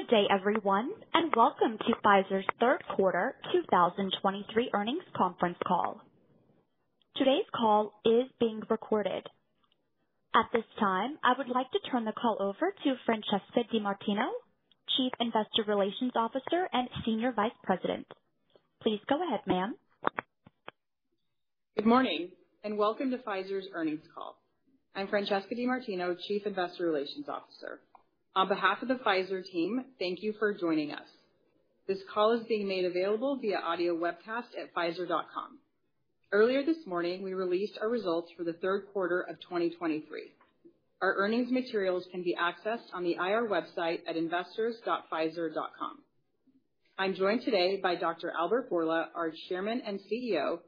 Good day, everyone, and welcome to Pfizer's third quarter 2023 earnings conference call. Today's call is being recorded. At this time, I would like to turn the call over to Francesca DeMartino, Chief Investor Relations Officer and Senior Vice President. Please go ahead, ma'am. Good morning, and welcome to Pfizer's earnings call. I'm Francesca DeMartino, Chief Investor Relations Officer. On behalf of the Pfizer team, thank you for joining us. This call is being made available via audio webcast at pfizer.com. Earlier this morning, we released our results for the third quarter of 2023. Our earnings materials can be accessed on the IR website at investors.pfizer.com. I'm joined today by Dr. Albert Bourla, our Chairman and CEO,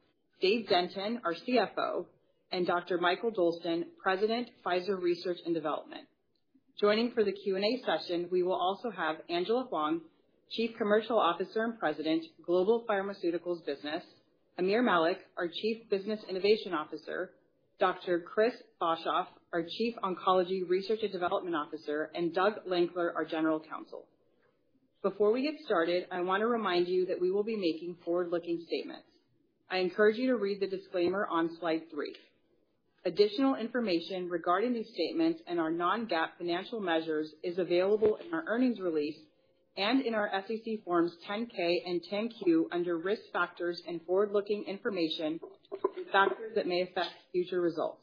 Dave Denton, our CFO, and Dr. Mikael Dolsten, President, Pfizer Research and Development. Joining for the Q&A session, we will also have Angela Hwang, Chief Commercial Officer and President, Global Pharmaceuticals Business, Aamir Malik, our Chief Business Innovation Officer, Dr. Chris Boshoff, our Chief Oncology Research and Development Officer, and Doug Lankler, our General Counsel. Before we get started, I wanna remind you that we will be making forward-looking statements. I encourage you to read the disclaimer on slide 3. Additional information regarding these statements and our non-GAAP financial measures is available in our earnings release and in our SEC Forms 10-K and 10-Q under Risk Factors and Forward-Looking Information and Factors That May Affect Future Results.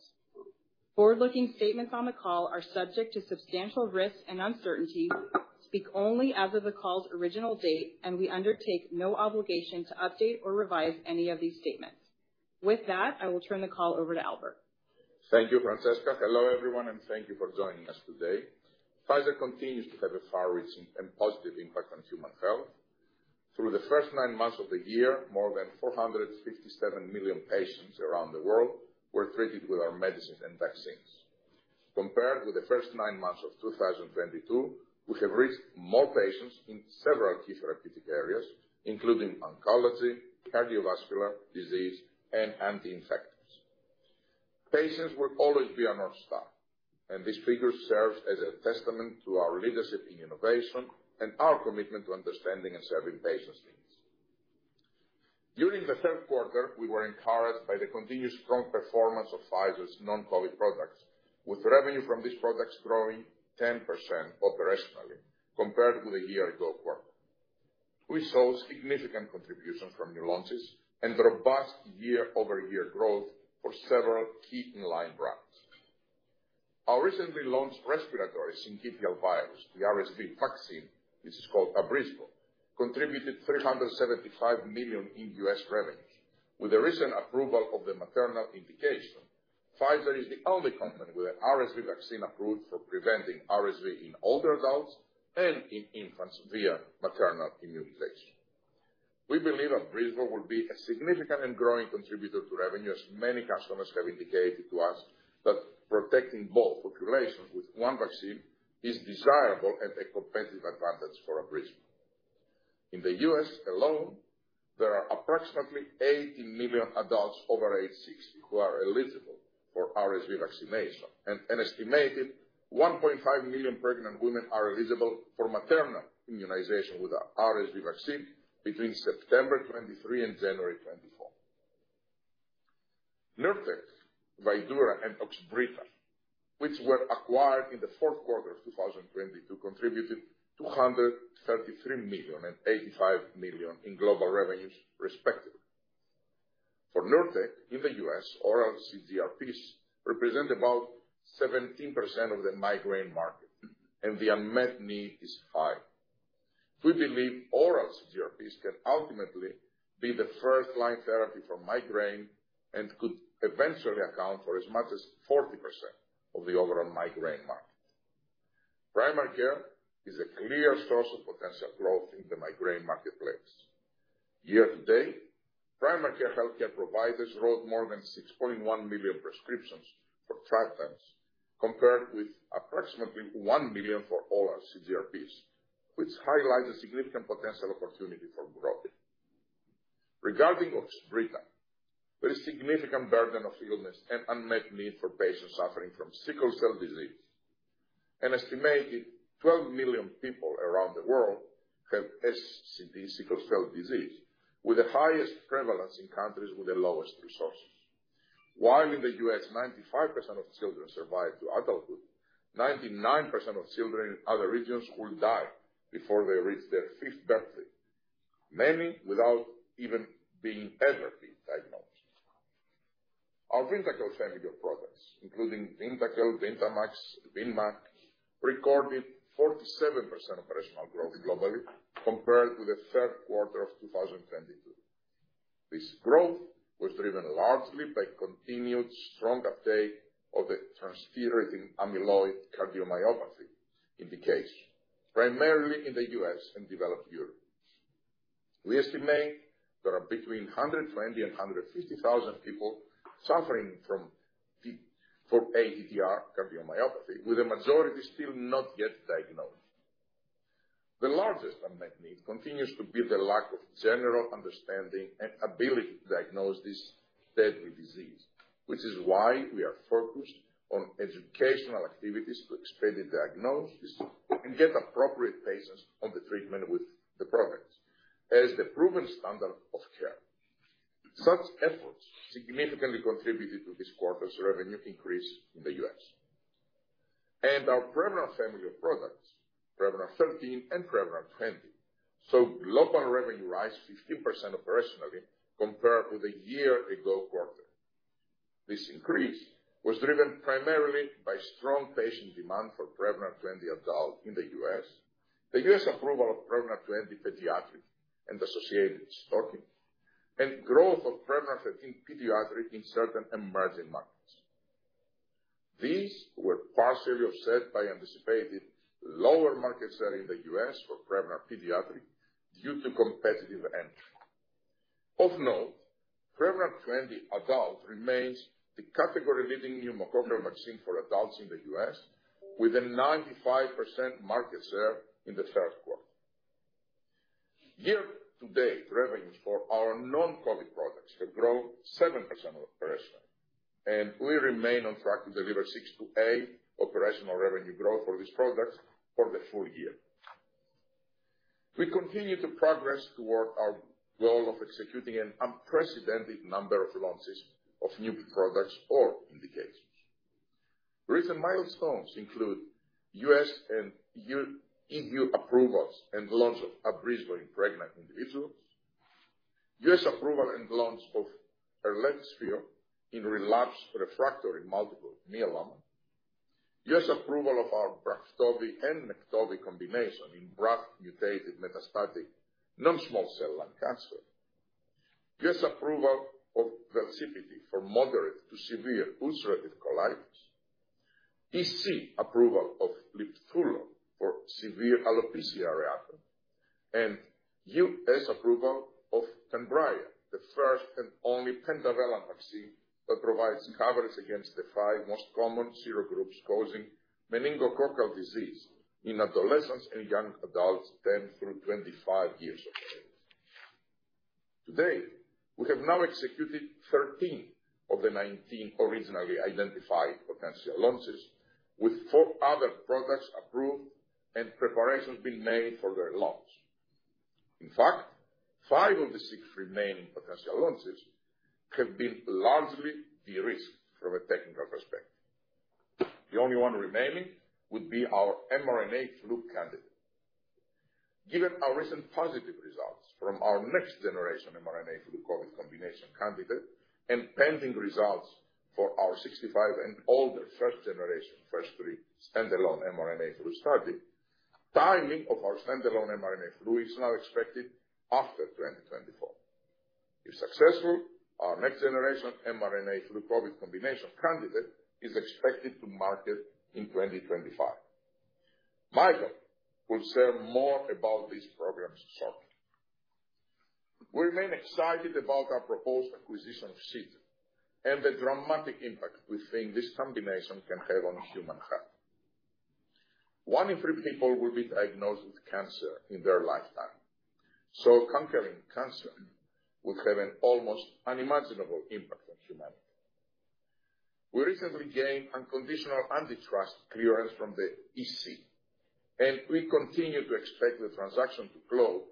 Forward-looking statements on the call are subject to substantial risks and uncertainties, speak only as of the call's original date, and we undertake no obligation to update or revise any of these statements. With that, I will turn the call over to Albert. Thank you, Francesca. Hello, everyone, and thank you for joining us today. Pfizer continues to have a far-reaching and positive impact on human health. Through the first 9 months of the year, more than 457 million patients around the world were treated with our medicines and vaccines. Compared with the first 9 months of 2022, we have reached more patients in several key therapeutic areas, including oncology, cardiovascular disease, and anti-infectives. Patients will always be our North Star, and this figure serves as a testament to our leadership in innovation and our commitment to understanding and serving patients' needs. During the third quarter, we were encouraged by the continued strong performance of Pfizer's non-COVID products, with revenue from these products growing 10% operationally compared with the year ago quarter. We saw significant contribution from new launches and robust year-over-year growth for several key in-line brands. Our recently launched respiratory syncytial virus, the RSV vaccine, which is called ABRYSVO, contributed $375 million in U.S. revenue. With the recent approval of the maternal indication, Pfizer is the only company with an RSV vaccine approved for preventing RSV in older adults and in infants via maternal immunization. We believe ABRYSVO will be a significant and growing contributor to revenue, as many customers have indicated to us that protecting both populations with one vaccine is desirable and a competitive advantage for ABRYSVO. In the U.S. alone, there are approximately 80 million adults over age 60 who are eligible for RSV vaccination, and an estimated 1.5 million pregnant women are eligible for maternal immunization with our RSV vaccine between September 2023 and January 2024. NURTEC, VYDURA, and OXBRYTA, which were acquired in the fourth quarter of 2022, contributed $233 million and $85 million in global revenues, respectively. For NURTEC in the U.S., oral CGRPs represent about 17% of the migraine market, and the unmet need is high. We believe oral CGRPs can ultimately be the first-line therapy for migraine and could eventually account for as much as 40% of the overall migraine market. Primary care is a clear source of potential growth in the migraine marketplace. Year to date, primary care healthcare providers wrote more than 6.1 million prescriptions for triptans, compared with approximately 1 million for all our CGRPs, which highlights a significant potential opportunity for growth. Regarding OXBRYTA, there is significant burden of illness and unmet need for patients suffering from sickle cell disease. An estimated 12 million people around the world have SCD, sickle cell disease, with the highest prevalence in countries with the lowest resources. While in the U.S., 95% of children survive to adulthood, 99% of children in other regions will die before they reach their 5th birthday, many without even being diagnosed. Our VYNDAQEL family of products, including VYNDAQEL, VYNDAMAX, VYNDAF, recorded 47% operational growth globally compared to the third quarter of 2022. This growth was driven largely by continued strong uptake of the transthyretin amyloid cardiomyopathy indication, primarily in the U.S. and developed Europe. We estimate there are between 120,000 and 150,000 people suffering from ATTR cardiomyopathy, with the majority still not yet diagnosed. The largest unmet need continues to be the lack of general understanding and ability to diagnose this deadly disease, which is why we are focused on educational activities to expand the diagnosis and get appropriate patients on the treatment with the products as the proven standard of care. Such efforts significantly contributed to this quarter's revenue increase in the U.S. Our PREVNAR family of products, PREVNAR 13 and PREVNAR 20, saw global revenue rise 15% operationally compared to the year-ago quarter. This increase was driven primarily by strong patient demand for PREVNAR 20 Adult in the U.S., the U.S. approval of PREVNAR 20 Pediatric and associated stocking, and growth of PREVNAR 13 Pediatric in certain emerging markets. These were partially offset by anticipated lower market share in the U.S. for PREVNAR Pediatric due to competitive entry. Of note, PREVNAR 20 adult remains the category-leading pneumococcal vaccine for adults in the U.S., with a 95% market share in the third quarter. Year-to-date, revenues for our non-COVID products have grown 7% operationally, and we remain on track to deliver 6%-8% operational revenue growth for these products for the full year. We continue to progress toward our goal of executing an unprecedented number of launches of new products or indications. Recent milestones include U.S. and EU approvals and launch of ABRYSVO in pregnant individuals, U.S. approval and launch of ELREXFIO in relapsed refractory multiple myeloma, U.S. approval of our BRAFTOVI and MEKTOVI combination in BRAF-mutated metastatic non-small cell lung cancer, U.S. approval of VELSIPITY for moderate to severe ulcerative colitis, EC approval of LITFULO for severe alopecia areata, and U.S. approval of PENBRAYA, the first and only pentavalent vaccine that provides coverage against the five most common serogroups causing meningococcal disease in adolescents and young adults 10 through 25 years of age. Today, we have now executed 13 of the 19 originally identified potential launches, with four other products approved and preparations being made for their launch. In fact, five of the six remaining potential launches have been largely de-risked from a technical perspective. The only one remaining would be our mRNA flu candidate. Given our recent positive results from our next-generation mRNA flu-COVID combination candidate, and pending results for our 65 and older first-generation phase III standalone mRNA flu study, timing of our standalone mRNA flu is now expected after 2024. If successful, our next-generation mRNA flu-COVID combination candidate is expected to market in 2025. Mikael will share more about these programs shortly. We remain excited about our proposed acquisition of Seagen, and the dramatic impact we think this combination can have on human health. One in three people will be diagnosed with cancer in their lifetime, so conquering cancer would have an almost unimaginable impact on humanity. We recently gained unconditional antitrust clearance from the EC, and we continue to expect the transaction to close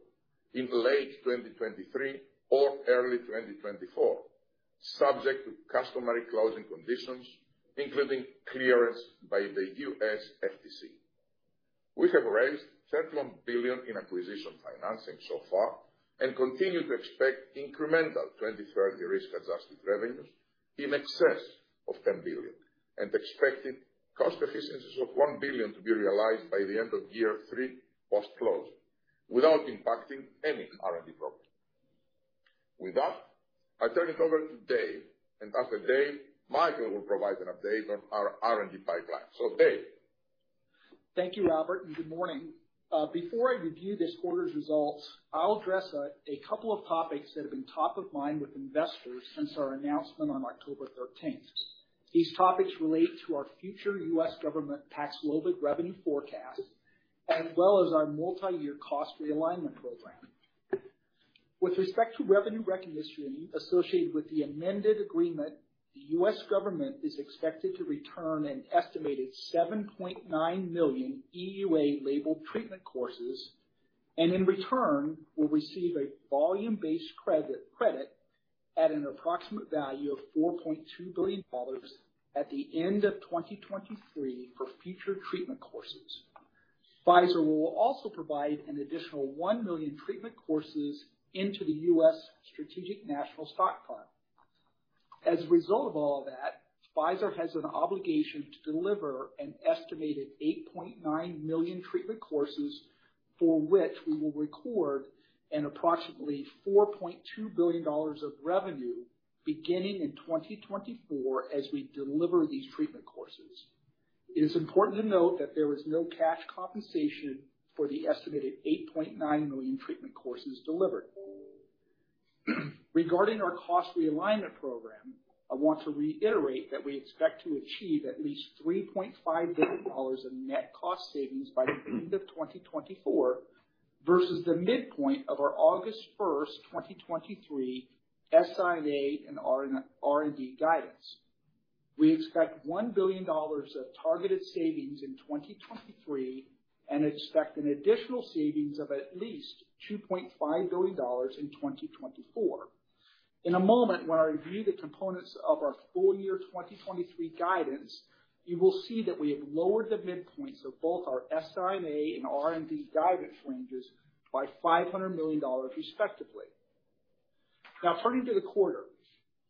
in late 2023 or early 2024, subject to customary closing conditions, including clearance by the U.S. FTC. We have raised $13 billion in acquisition financing so far and continue to expect incremental 2030 risk-adjusted revenues in excess of $10 billion, and expected cost efficiencies of $1 billion to be realized by the end of year 3 post-close, without impacting any R&D program. With that, I turn it over to Dave, and after Dave, Mikael will provide an update on our R&D pipeline. So, Dave? Thank you, Albert, and good morning. Before I review this quarter's results, I'll address a couple of topics that have been top of mind with investors since our announcement on October thirteenth. These topics relate to our future U.S. government tax-related revenue forecast, as well as our multi-year cost realignment program. With respect to revenue recognition associated with the amended agreement, the U.S. government is expected to return an estimated 7.9 million EUA-labeled treatment courses, and in return, will receive a volume-based credit at an approximate value of $4.2 billion at the end of 2023 for future treatment courses. Pfizer will also provide an additional 1 million treatment courses into the U.S. Strategic National Stockpile. As a result of all that, Pfizer has an obligation to deliver an estimated 8.9 million treatment courses, for which we will record an approximately $4.2 billion of revenue beginning in 2024 as we deliver these treatment courses. It is important to note that there was no cash compensation for the estimated 8.9 million treatment courses delivered. Regarding our cost realignment program, I want to reiterate that we expect to achieve at least $3.5 billion in net cost savings by the end of 2024, versus the midpoint of our August 1, 2023, SI&A and R&D guidance. We expect $1 billion of targeted savings in 2023, and expect an additional savings of at least $2.5 billion in 2024. In a moment, when I review the components of our full year 2023 guidance, you will see that we have lowered the midpoints of both our SI&A and R&D guidance ranges by $500 million, respectively. Now, turning to the quarter,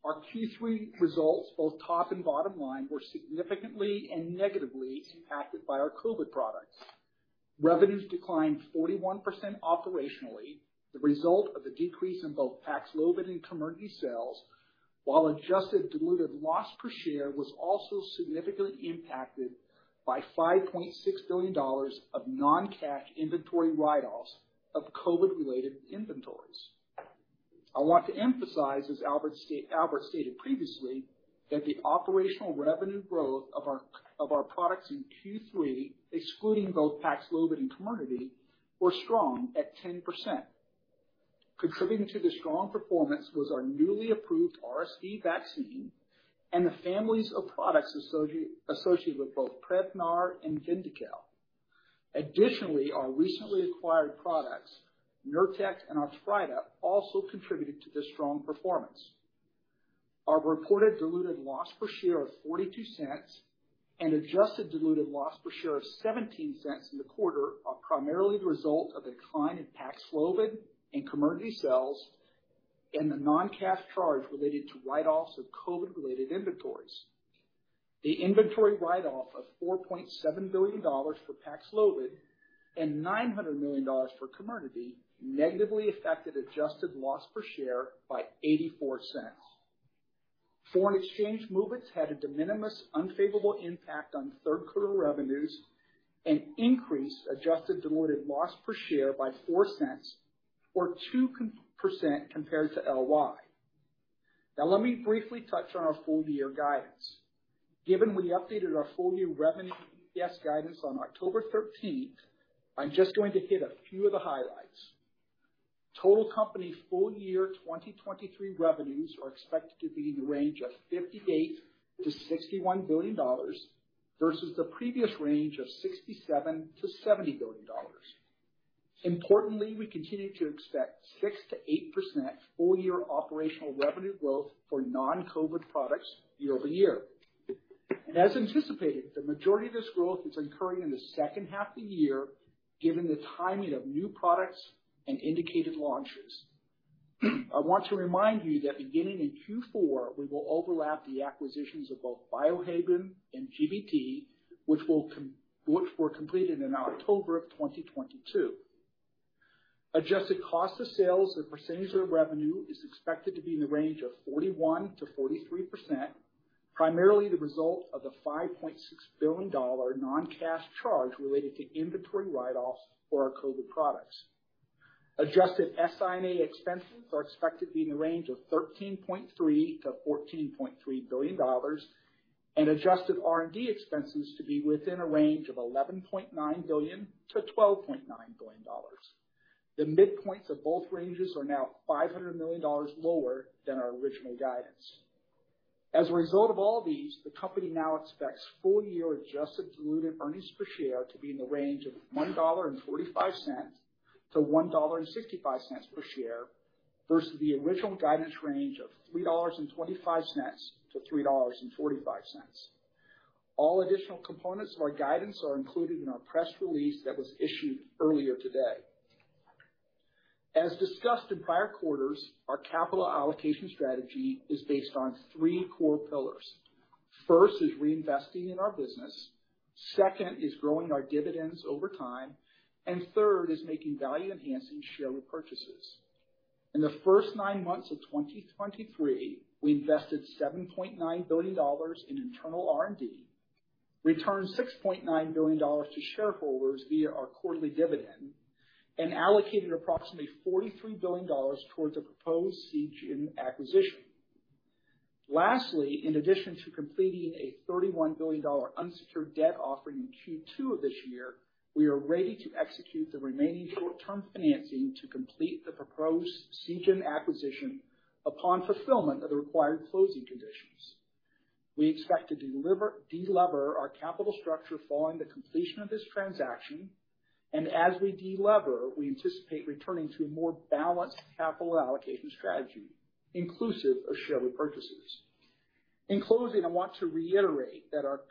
our Q3 results, both top and bottom line, were significantly and negatively impacted by our COVID products. Revenues declined 41% operationally, the result of the decrease in both PAXLOVID and COMIRNATY sales, while adjusted diluted loss per share was also significantly impacted by $5.6 billion of non-cash inventory write-offs of COVID-related inventories. I want to emphasize, as Albert stated previously, that the operational revenue growth of our, of our products in Q3, excluding both PAXLOVID and COMIRNATY, were strong at 10%. Contributing to the strong performance was our newly approved RSV vaccine and the families of products associated with both PREVNAR and VYNDAQEL. Additionally, our recently acquired products, NURTEC and OXBRYTA, also contributed to the strong performance. Our reported diluted loss per share of $0.42 and adjusted diluted loss per share of $0.17 in the quarter are primarily the result of a decline in PAXLOVID and COMIRNATY sales, and the non-cash charge related to write-offs of COVID-related inventories. The inventory write-off of $4.7 billion for PAXLOVID and $900 million for COMIRNATY negatively affected adjusted loss per share by $0.84. Foreign exchange movements had a de minimis unfavorable impact on third quarter revenues and increased adjusted diluted loss per share by $0.04 or 2% compared to LY. Now, let me briefly touch on our full-year guidance. Given we updated our full-year revenue EPS guidance on October thirteenth, I'm just going to hit a few of the highlights. Total company full-year 2023 revenues are expected to be in the range of $58 billion-$61 billion, versus the previous range of $67 billion-$70 billion. Importantly, we continue to expect 6%-8% full-year operational revenue growth for non-COVID products year-over-year. And as anticipated, the majority of this growth is occurring in the second half of the year, given the timing of new products and indicated launches. I want to remind you that beginning in Q4, we will overlap the acquisitions of both Biohaven and GBT, which were completed in October 2022. Adjusted cost of sales as a percentage of revenue is expected to be in the range of 41%-43%, primarily the result of the $5.6 billion non-cash charge related to inventory write-offs for our COVID products. Adjusted SI&A expenses are expected to be in the range of $13.3 billion-$14.3 billion, and adjusted R&D expenses to be within a range of $11.9 billion-$12.9 billion. The midpoints of both ranges are now $500 million lower than our original guidance. As a result of all these, the company now expects full-year adjusted diluted earnings per share to be in the range of $1.45-$1.65 per share, versus the original guidance range of $3.25-$3.45. All additional components of our guidance are included in our press release that was issued earlier today. As discussed in prior quarters, our capital allocation strategy is based on three core pillars. First is reinvesting in our business, second is growing our dividends over time, and third is making value-enhancing share repurchases. In the first nine months of 2023, we invested $7.9 billion in internal R&D, returned $6.9 billion to shareholders via our quarterly dividend, and allocated approximately $43 billion towards the proposed Seagen acquisition. Lastly, in addition to completing a $31 billion unsecured debt offering in Q2 of this year, we are ready to execute the remaining short-term financing to complete the proposed Seagen acquisition upon fulfillment of the required closing conditions. We expect to delever our capital structure following the completion of this transaction, and as we delever, we anticipate returning to a more balanced capital allocation strategy, inclusive of share repurchases. In closing, I want to reiterate that our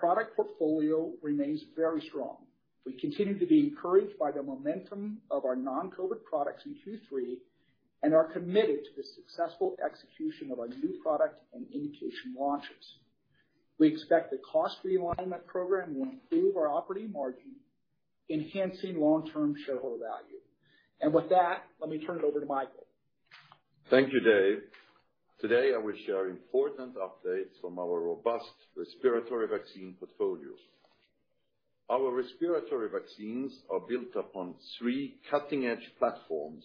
product portfolio remains very strong. We continue to be encouraged by the momentum of our non-COVID products in Q3, and are committed to the successful execution of our new product and indication launches. We expect the cost realignment program will improve our operating margin, enhancing long-term shareholder value. With that, let me turn it over to Mikael. Thank you, Dave. Today, I will share important updates from our robust respiratory vaccine portfolio. Our respiratory vaccines are built upon three cutting-edge platforms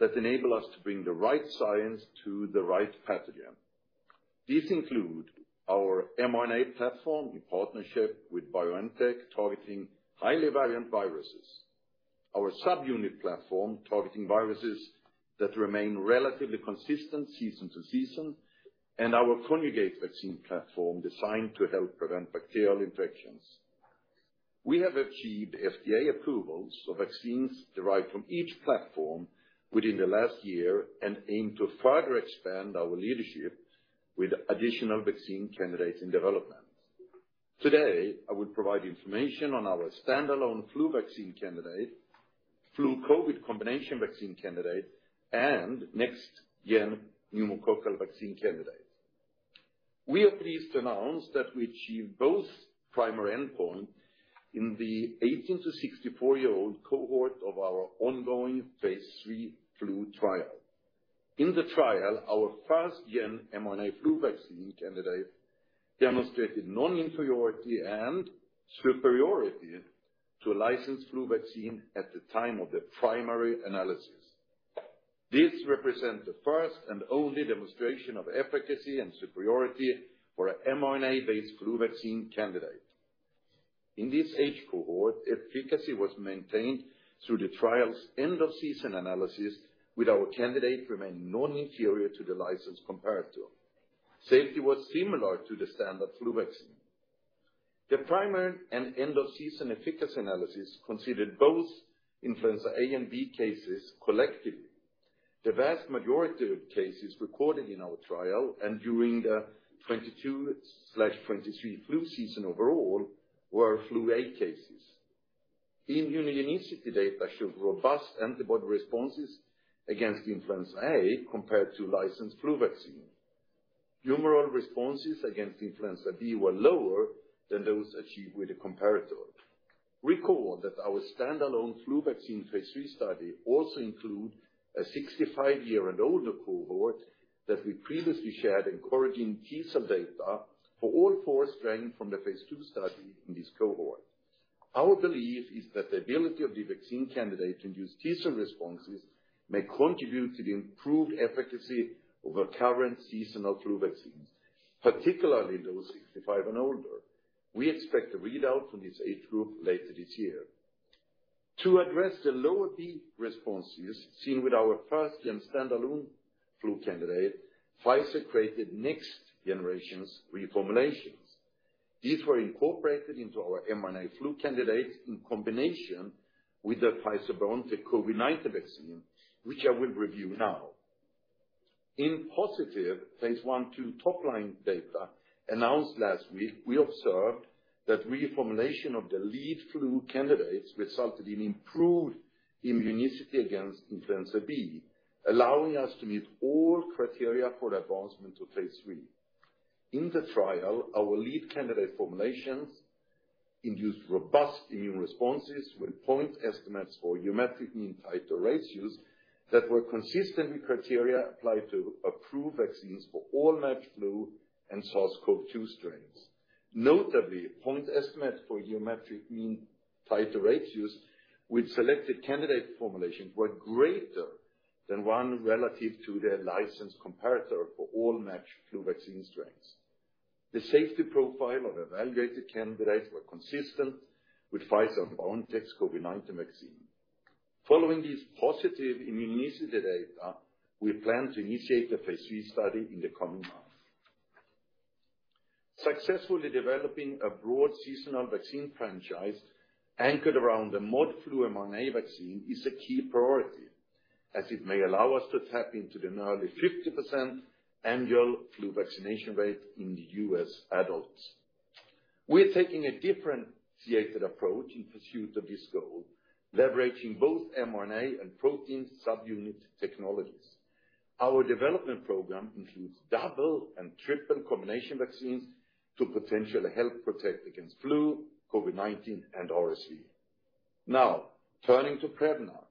that enable us to bring the right science to the right pathogen. These include our mRNA platform in partnership with BioNTech, targeting highly variant viruses, our subunit platform, targeting viruses that remain relatively consistent season to season, and our conjugate vaccine platform, designed to help prevent bacterial infections. We have achieved FDA approvals for vaccines derived from each platform within the last year, and aim to further expand our leadership with additional vaccine candidates in development. Today, I will provide information on our standalone flu vaccine candidate, flu COVID combination vaccine candidate, and next-gen pneumococcal vaccine candidate. We are pleased to announce that we achieved both primary endpoint in the 18- to 64-year-old cohort of our ongoing phase III flu trial. In the trial, our first-gen mRNA flu vaccine candidate demonstrated non-inferiority and superiority to a licensed flu vaccine at the time of the primary analysis. This represents the first and only demonstration of efficacy and superiority for an mRNA-based flu vaccine candidate. In this age cohort, efficacy was maintained through the trial's end-of-season analysis, with our candidate remaining non-inferior to the licensed comparator. Safety was similar to the standard flu vaccine. The primary and end-of-season efficacy analysis considered both influenza A and B cases collectively. The vast majority of cases recorded in our trial and during the 2022/2023 flu season overall, were flu A cases. Immunogenicity data showed robust antibody responses against influenza A compared to licensed flu vaccine. Humoral responses against influenza B were lower than those achieved with the comparator. Recall that our standalone flu vaccine phase III study also includes a 65-year-and-older cohort, that we previously shared encouraging T cell data for all four strains from the phase II study in this cohort. Our belief is that the ability of the vaccine candidate to use T cell responses may contribute to the improved efficacy over current seasonal flu vaccines, particularly those 65 and older. We expect a readout from this age group later this year. To address the lower B responses seen with our first-gen standalone flu candidate, Pfizer created next-generation reformulations. These were incorporated into our mRNA flu candidate in combination with the Pfizer-BioNTech COVID-19 vaccine, which I will review now. In positive phase I, II top-line data announced last week, we observed that reformulation of the lead flu candidates resulted in improved immunity against influenza B, allowing us to meet all criteria for advancement to phase III. In the trial, our lead candidate formulations induced robust immune responses with point estimates or geometric mean titer ratios that were consistent with criteria applied to approved vaccines for all matched flu and SARS-CoV-2 strains. Notably, point estimates for geometric mean titer ratios with selected candidate formulations were greater than 1 relative to their licensed comparator for all matched flu vaccine strains. The safety profile of evaluated candidates were consistent with Pfizer and BioNTech's COVID-19 vaccine. Following these positive immunity data, we plan to initiate the phase III study in the coming months. Successfully developing a broad seasonal vaccine franchise anchored around the mRNA flu vaccine is a key priority, as it may allow us to tap into the nearly 50% annual flu vaccination rate in the U.S. adults. We're taking a differentiated approach in pursuit of this goal, leveraging both mRNA and protein subunit technologies. Our development program includes double and triple combination vaccines to potentially help protect against flu, COVID-19, and RSV. Now, turning to PREVNAR.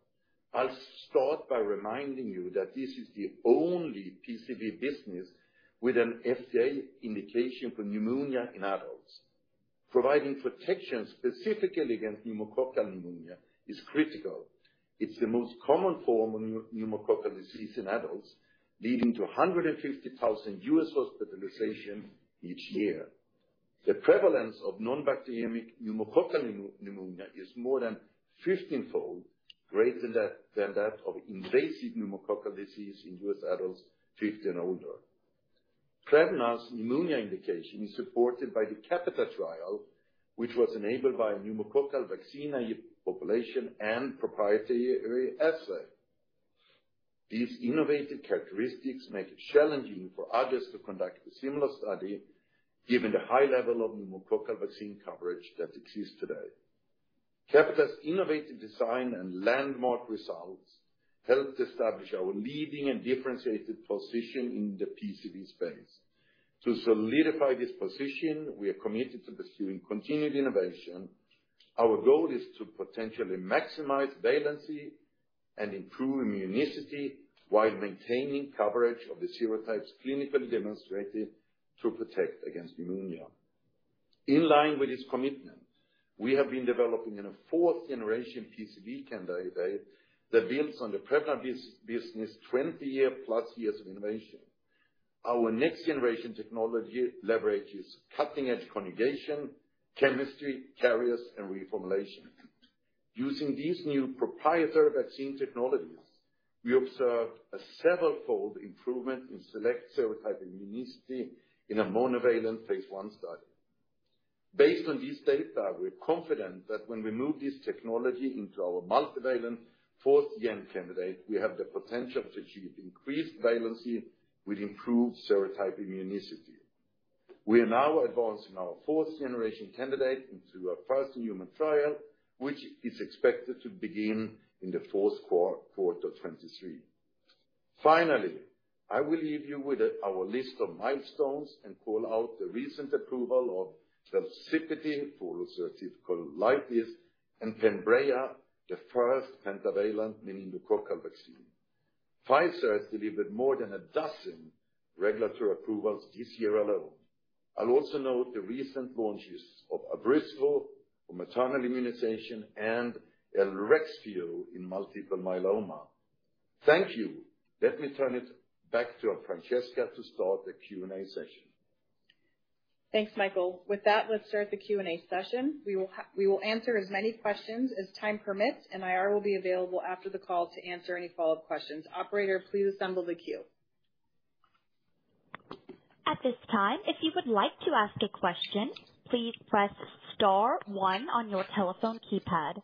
I'll start by reminding you that this is the only PCV business with an FDA indication for pneumonia in adults. Providing protection specifically against pneumococcal pneumonia is critical. It's the most common form of pneumococcal disease in adults, leading to 150,000 U.S. hospitalizations each year. The prevalence of non-bacteremic pneumococcal pneumonia is more than fifteenfold greater than that of invasive pneumococcal disease in U.S. adults 50 and older. PREVNAR's pneumonia indication is supported by the CAPiTA trial, which was enabled by a pneumococcal vaccine population and proprietary assay. These innovative characteristics make it challenging for others to conduct a similar study, given the high level of pneumococcal vaccine coverage that exists today. CAPiTA's innovative design and landmark results helped establish our leading and differentiated position in the PCV space. To solidify this position, we are committed to pursuing continued innovation. Our goal is to potentially maximize valency and improve immunity while maintaining coverage of the serotypes clinically demonstrated to protect against pneumonia. In line with this commitment, we have been developing a fourth generation PCV candidate that builds on the PREVNAR business, 20-year-plus years of innovation. Our next generation technology leverages cutting-edge conjugation chemistry, carriers, and reformulation. Using these new proprietary vaccine technologies, we observed a several-fold improvement in select serotype immunity in a monovalent phase I study. Based on these data, we're confident that when we move this technology into our multivalent fourth gen candidate, we have the potential to achieve increased valency with improved serotype immunity. We are now advancing our fourth generation candidate into a first human trial, which is expected to begin in the fourth quarter of 2023. Finally, I will leave you with our list of milestones and call out the recent approval of VELSIPITY for ulcerative colitis and PENBRAYA, the first pentavalent meningococcal vaccine. Pfizer has delivered more than a dozen regulatory approvals this year alone. I'll also note the recent launches of ABRYSVO for maternal immunization and ELREXFIO in multiple myeloma. Thank you. Let me turn it back to Francesca to start the Q&A session. Thanks, Mikael. With that, let's start the Q&A session. We will answer as many questions as time permits, and IR will be available after the call to answer any follow-up questions. Operator, please assemble the queue. At this time, if you would like to ask a question, please press star one on your telephone keypad.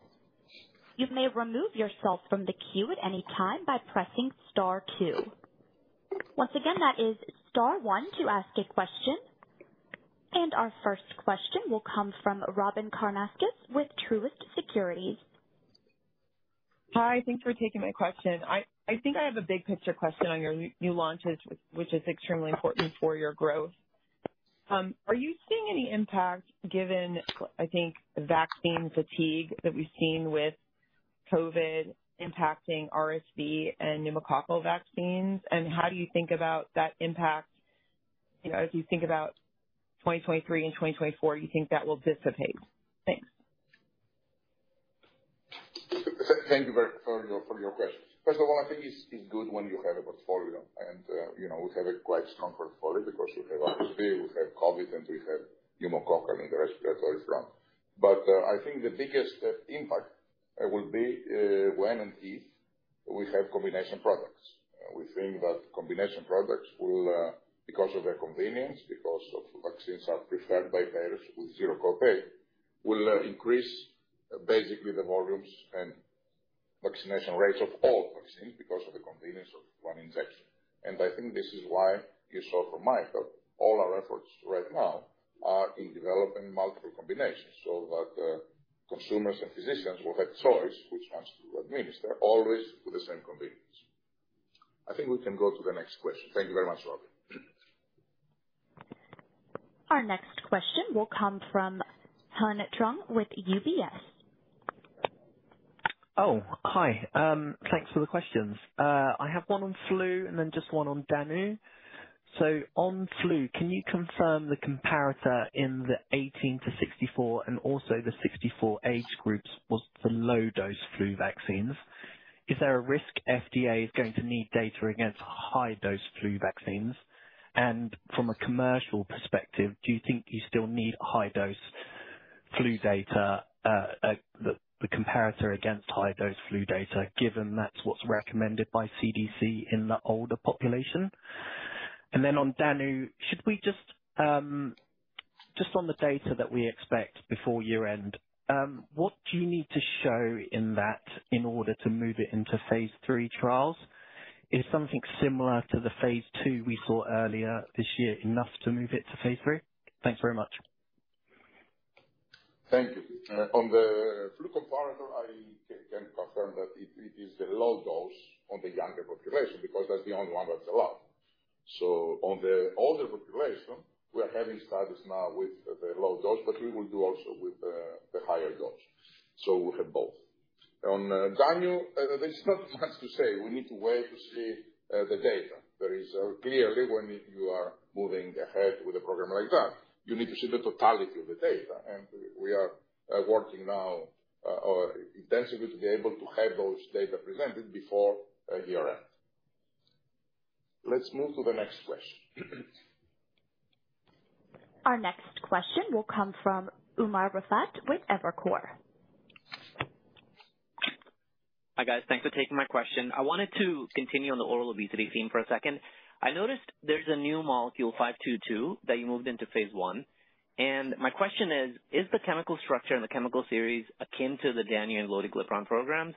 You may remove yourself from the queue at any time by pressing star two. Once again, that is star one to ask a question. Our first question will come from Robyn Karnauskas with Truist Securities. Hi, thanks for taking my question. I think I have a big picture question on your new launches, which is extremely important for your growth. Are you seeing any impact given, I think, vaccine fatigue that we've seen with COVID impacting RSV and pneumococcal vaccines? And how do you think about that impact, you know, as you think about 2023 and 2024, you think that will dissipate? Thanks. Thank you very for your question. First of all, I think it's good when you have a portfolio, and you know, we have a quite strong portfolio because we have RSV, we have COVID, and we have pneumococcal in the respiratory front. But I think the biggest impact will be when and if we have combination products. We think that combination products will because of their convenience, because of vaccines are preferred by payers with zero copay, will increase basically the volumes and vaccination rates of all vaccines, because of the convenience of one injection. And I think this is why you saw from Mikael, all our efforts right now are in developing multiple combinations, so that consumers and physicians will have choice which ones to administer, always with the same convenience. I think we can go to the next question. Thank you very much, Robyn. Our next question will come from Trung Huynh with UBS. Oh, hi. Thanks for the questions. I have one on flu and then just one on danu. So on flu, can you confirm the comparator in the 18-64 and also the 64 age groups was the low-dose flu vaccines? Is there a risk FDA is going to need data against high-dose flu vaccines? And from a commercial perspective, do you think you still need high-dose flu data, the comparator against high-dose flu data, given that's what's recommended by CDC in the older population? And then on danu, should we just, just on the data that we expect before year-end, what do you need to show in that in order to move it into phase III trials? Is something similar to the phase II we saw earlier this year enough to move it to phase III? Thanks very much. Thank you. On the flu comparator, I can confirm that it, it is the low dose on the younger population, because that's the only one that's allowed. So on the older population, we are having studies now with the low dose, but we will do also with the higher dose. So we have both. On danu, there's not much to say. We need to wait to see the data. There is clearly, when you are moving ahead with a program like that, you need to see the totality of the data, and we are working now or intensively to be able to have those data presented before year-end. Let's move to the next question. Our next question will come from Umer Raffat, with Evercore. Hi, guys. Thanks for taking my question. I wanted to continue on the oral obesity theme for a second. I noticed there's a new molecule, 522, that you moved into phase I. And my question is: Is the chemical structure and the chemical series akin to the danuglipron and lotiglipron programs?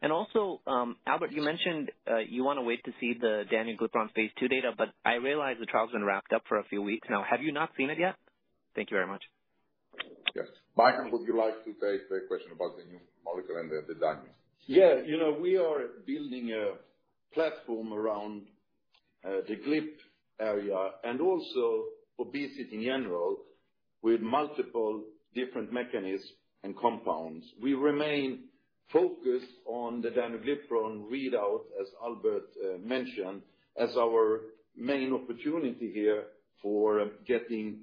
And also, Albert, you mentioned, you want to wait to see the danuglipron phase II data, but I realize the trial's been wrapped up for a few weeks now. Have you not seen it yet? Thank you very much. Yes. Mikael, would you like to take the question about the new molecule and the danu? Yeah, you know, we are building a platform around the GLP area and also obesity in general, with multiple different mechanisms and compounds. We remain focused on the danuglipron readout, as Albert mentioned, as our main opportunity here for getting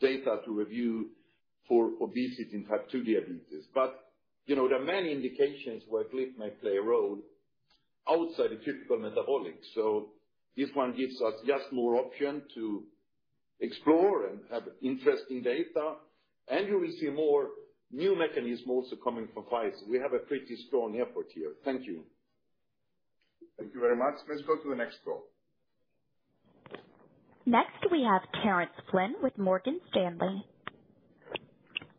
data to review for obesity and type 2 diabetes. But, you know, there are many indications where GLP may play a role outside the critical metabolic. So this one gives us just more option to explore and have interesting data. And you will see more new mechanisms also coming from Pfizer. We have a pretty strong effort here. Thank you. Thank you very much. Let's go to the next call. Next, we have Terence Flynn with Morgan Stanley.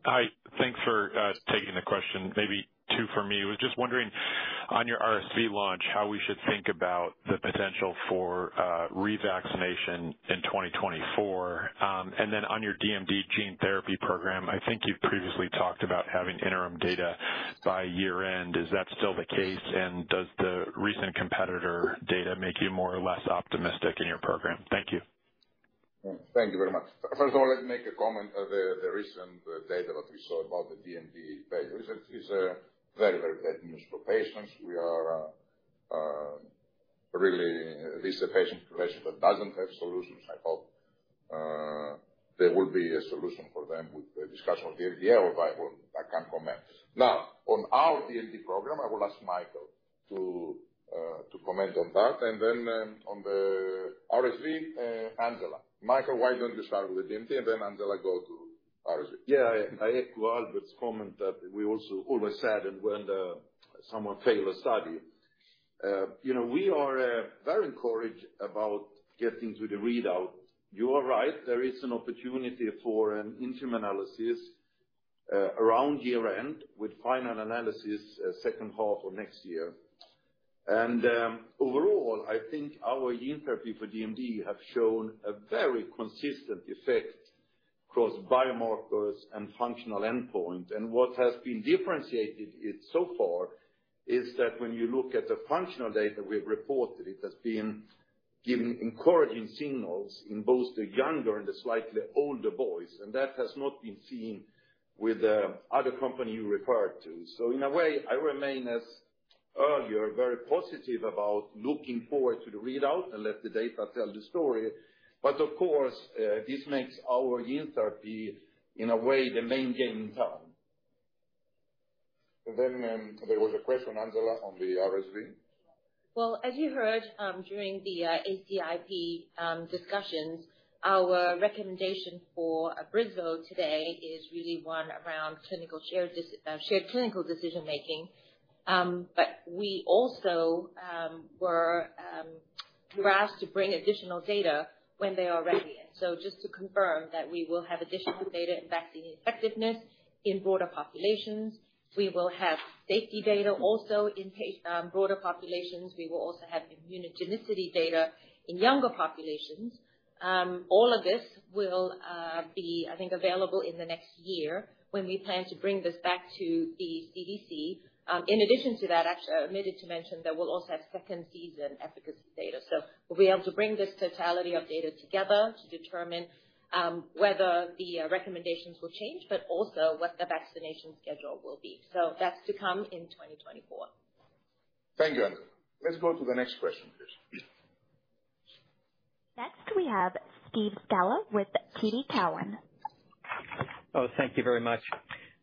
Hi. Thanks for taking the question. Maybe two for me. Was just wondering, on your RSV launch, how we should think about the potential for revaccination in 2024. And then on your DMD gene therapy program, I think you've previously talked about having interim data by year-end. Is that still the case? And does the recent competitor data make you more or less optimistic in your program? Thank you. Thank you very much. First of all, let me make a comment on the recent data that we saw about the DMD patient. It's a very, very bad news for patients. We are really this is a patient population that doesn't have solutions. I hope there will be a solution for them with the discussion of the FDA, or if I will, I can't comment. Now, on our DMD program, I will ask Mikael to comment on that, and then on the RSV, Angela. Mikael, why don't you start with the DMD, and then, Angela, go to RSV? Yeah. I echo Albert's comment that we also always said, and when the someone fails a study, you know, we are very encouraged about getting to the readout. You are right, there is an opportunity for an interim analysis, around year-end, with final analysis, second half of next year. And, overall, I think our gene therapy for DMD have shown a very consistent effect across biomarkers and functional endpoint. And what has been differentiated it so far is that when you look at the functional data we've reported, it has been giving encouraging signals in both the younger and the slightly older boys, and that has not been seen with the other company you referred to. So in a way, I remain, as earlier, very positive about looking forward to the readout and let the data tell the story. But of course, this makes our gene therapy, in a way, the main game in town. And then, there was a question, Angela, on the RSV? Well, as you heard, during the ACIP discussions, our recommendation for ABRYSVO today is really one around shared clinical decision-making. But we also were asked to bring additional data when they are ready. And so just to confirm that we will have additional data in vaccine effectiveness in broader populations, we will have safety data also in broader populations. We will also have immunogenicity data in younger populations. All of this will be, I think, available in the next year when we plan to bring this back to the CDC. In addition to that, I actually omitted to mention that we'll also have second season efficacy data. So we'll be able to bring this totality of data together to determine whether the recommendations will change, but also what the vaccination schedule will be. So that's to come in 2024. Thank you, Angela. Let's go to the next question, please. Next, we have Steve Scala with TD Cowen. Oh, thank you very much.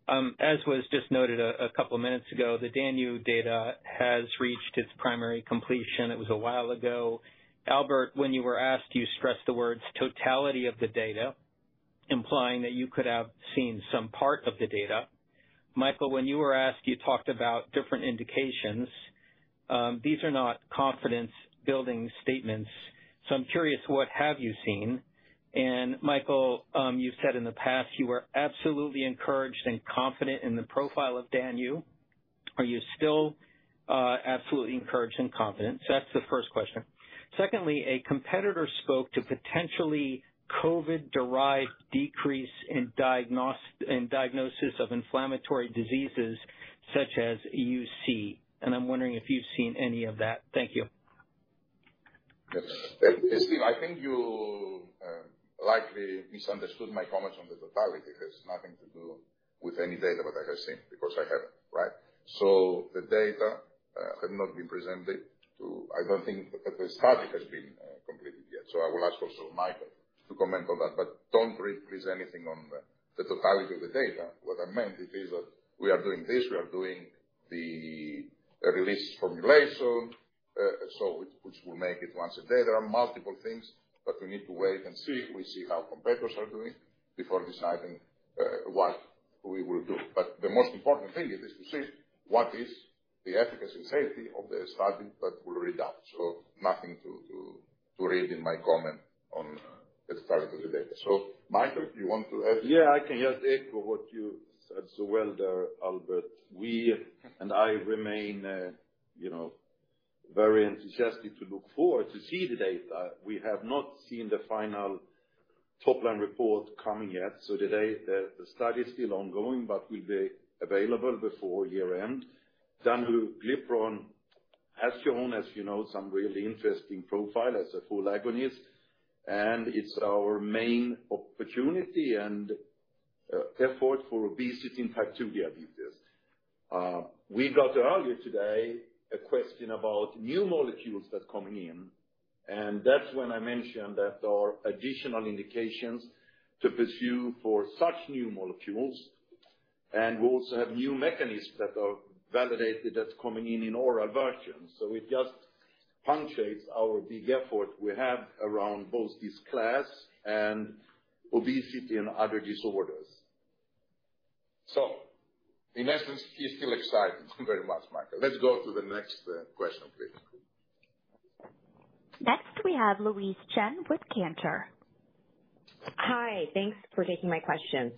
As was just noted a couple of minutes ago, the danu data has reached its primary completion. It was a while ago. Albert, when you were asked, you stressed the words totality of the data, implying that you could have seen some part of the data. Mikael, when you were asked, you talked about different indications. These are not confidence-building statements, so I'm curious, what have you seen? And Mikael, you've said in the past you were absolutely encouraged and confident in the profile of danu. Are you still absolutely encouraged and confident? So that's the first question. Secondly, a competitor spoke to potentially COVID-derived decrease in diagnosis of inflammatory diseases such as UC, and I'm wondering if you've seen any of that. Thank you. Yes. Steve, I think you likely misunderstood my comments on the totality. It has nothing to do with any data that I have seen, because I haven't. Right? So the data have not been presented to—I don't think that the study has been completed yet, so I will ask also Mikael to comment on that, but don't read anything on the totality of the data. What I meant is that we are doing this, we are doing the release formulation, so which will make it once a day. There are multiple things, but we need to wait and see. We see how competitors are doing before deciding what we will do. But the most important thing is to see what is the efficacy and safety of the study that will read out. So nothing to read in my comment on the study of the data. So, Mikael, you want to add? Yeah, I can just echo what you said so well there, Albert. We and I remain, you know, very enthusiastic to look forward to see the data. We have not seen the final top-line report coming yet. So today, the study is still ongoing but will be available before year-end. Danuglipron has shown, as you know, some really interesting profile as a full agonist, and it's our main opportunity and effort for obesity and type two diabetes. We got earlier today a question about new molecules that's coming in, and that's when I mentioned that there are additional indications to pursue for such new molecules. And we also have new mechanisms that are validated that's coming in, in oral versions. So it just punctuates our big effort we have around both this class and obesity and other disorders. So in essence, we're still excited very much, Mikael. Let's go to the next question, please. Next, we have Louise Chen with Cantor. Hi, thanks for taking my question.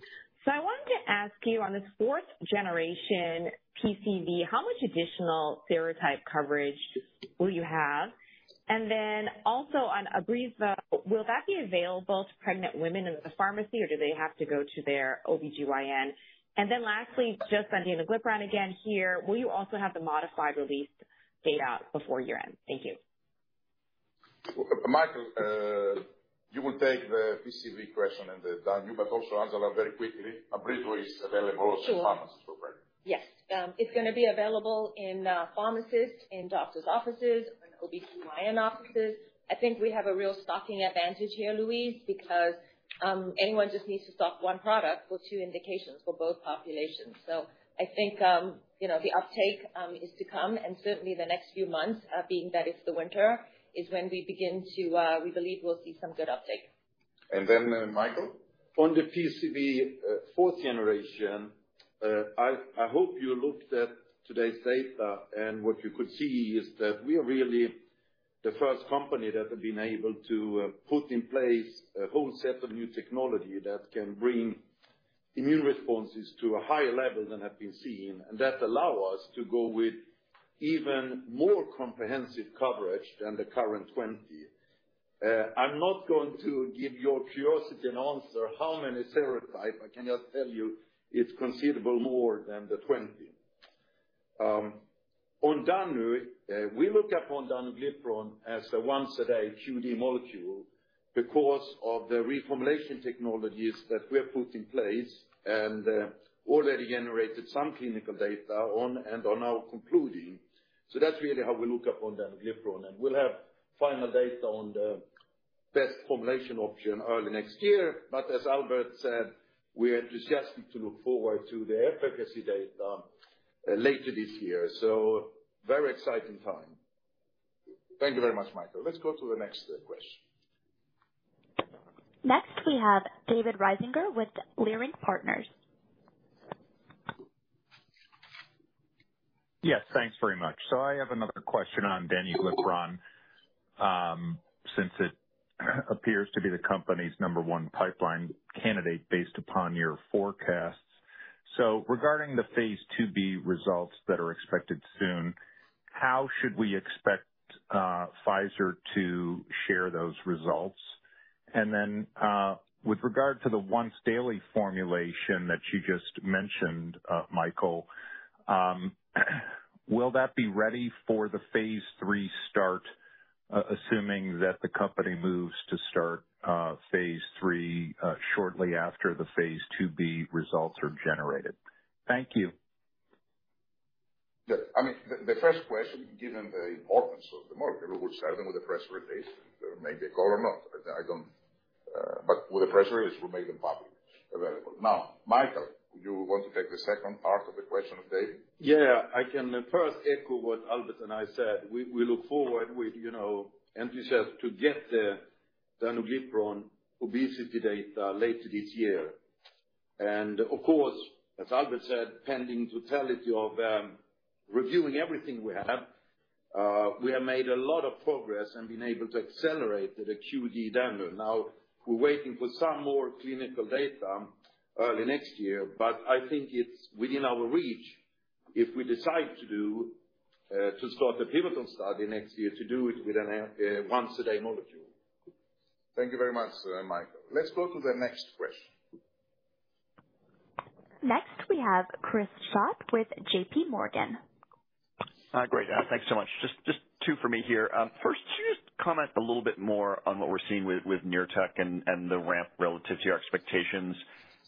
So I wanted to ask you on this fourth generation PCV, how much additional serotype coverage will you have? And then also on ABRYSVO, will that be available to pregnant women in the pharmacy, or do they have to go to their OB-GYN? And then lastly, just on the danuglipron again here, will you also have the modified release data before year-end? Thank you. Mikael, you will take the PCV question and the danu, but also answer very quickly. ABRYSVO is available to pharmacists for pregnant. Sure. Yes. It's going to be available in pharmacies, in doctor's offices, in OB-GYN offices. I think we have a real stocking advantage here, Louise, because anyone just needs to stock one product for two indications for both populations. So I think, you know, the uptake is to come, and certainly the next few months, being that it's the winter, is when we begin to, we believe we'll see some good uptake. And then, Mikael? On the PCV, fourth generation, I hope you looked at today's data, and what you could see is that we are really the first company that have been able to put in place a whole set of new technology that can bring immune responses to a higher level than have been seen, and that allow us to go with even more comprehensive coverage than the current 20. I'm not going to give your curiosity an answer, how many serotype? I can just tell you it's considerable more than the 20. On danuglipron, we look up on danuglipron as a once a day QD molecule because of the reformulation technologies that we have put in place and already generated some clinical data on and are now concluding. So that's really how we look up on danuglipron, and we'll have final data on the best formulation option early next year. But as Albert said, we are enthusiastic to look forward to the efficacy data later this year. So very exciting time. Thank you very much, Mikael. Let's go to the next question. Next, we have David Risinger with Leerink Partners. Yes, thanks very much. So I have another question on danuglipron, since it appears to be the company's number one pipeline candidate based upon your forecasts. So regarding the phase II-B results that are expected soon, how should we expect Pfizer to share those results? And then, with regard to the once-daily formulation that you just mentioned, Mikael, will that be ready for the phase III start, assuming that the company moves to start phase III shortly after the phase II-B results are generated? Thank you. I mean, the first question, given the importance of the market, we will share them with the press release. They may call or not, but I don't. But with the press release, we'll make it public, available. Now, Mikael, you want to take the second part of the question of David? Yeah. I can first echo what Albert and I said. We look forward with, you know, enthusiasm to get the danuglipron obesity data later this year. And of course, as Albert said, pending totality of reviewing everything we have, we have made a lot of progress and been able to accelerate the QD danu. Now, we're waiting for some more clinical data early next year, but I think it's within our reach, if we decide to start the pivotal study next year, to do it with an once-a-day molecule. Thank you very much, Mikael. Let's go to the next question. Next, we have Chris Schott with JPMorgan. Great. Thanks so much. Just, just two for me here. First, could you just comment a little bit more on what we're seeing with, with NURTEC and, and the ramp relative to your expectations?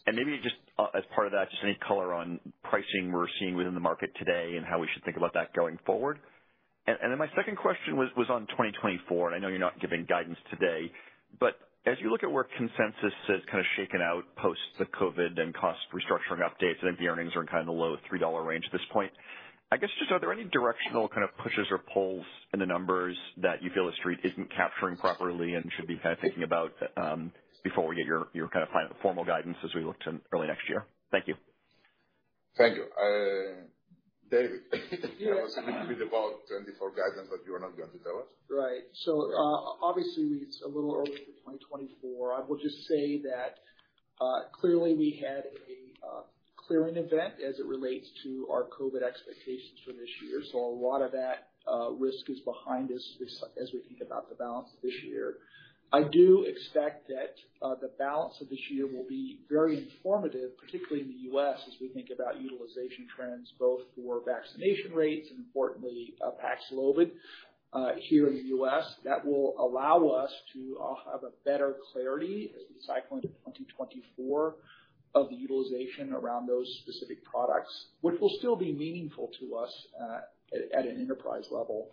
And maybe just, as part of that, just any color on pricing we're seeing within the market today and how we should think about that going forward. And, and then my second question was, was on 2024, and I know you're not giving guidance today, but as you look at where consensus has kind of shaken out post the COVID and cost restructuring updates, I think the earnings are in kind of the low $3 range at this point. I guess just are there any directional kind of pushes or pulls in the numbers that you feel the street isn't capturing properly and should be kind of thinking about, before we get your, your kind of final formal guidance as we look to early next year? Thank you. Thank you. David, tell us a little bit about 2024 guidance, but you are not going to tell us? Right. So, obviously, it's a little early for 2024. I will just say that—clearly, we had a clearing event as it relates to our COVID expectations for this year. So a lot of that risk is behind us as we think about the balance of this year. I do expect that the balance of this year will be very informative, particularly in the U.S., as we think about utilization trends, both for vaccination rates and importantly, PAXLOVID here in the U.S. That will allow us to have a better clarity as we cycle into 2024 of the utilization around those specific products, which will still be meaningful to us at an enterprise level.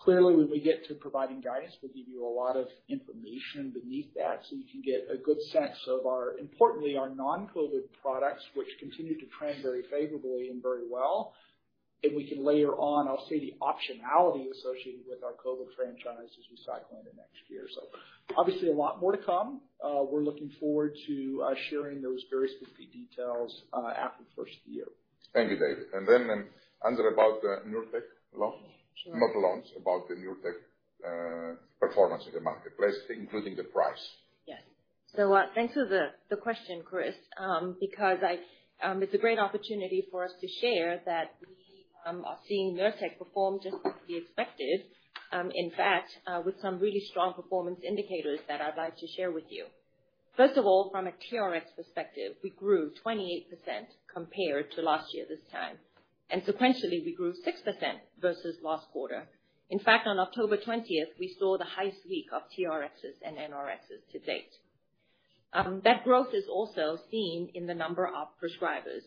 Clearly, when we get to providing guidance, we'll give you a lot of information beneath that, so you can get a good sense of our, importantly, our non-COVID products, which continue to trend very favorably and very well. And we can layer on, I'll say, the optionality associated with our COVID franchise as we cycle into next year. So obviously a lot more to come. We're looking forward to sharing those very specific details after the first of the year. Thank you, David. And then, Andrea, about the NURTEC launch. Not launch, about the NURTEC performance in the marketplace, including the price. Yes. So, thanks for the question, Chris, because it's a great opportunity for us to share that we are seeing NURTEC perform just as we expected, in fact, with some really strong performance indicators that I'd like to share with you. First of all, from a TRx perspective, we grew 28% compared to last year this time, and sequentially, we grew 6% versus last quarter. In fact, on October 20, we saw the highest week of TRx and NRx to date. That growth is also seen in the number of prescribers.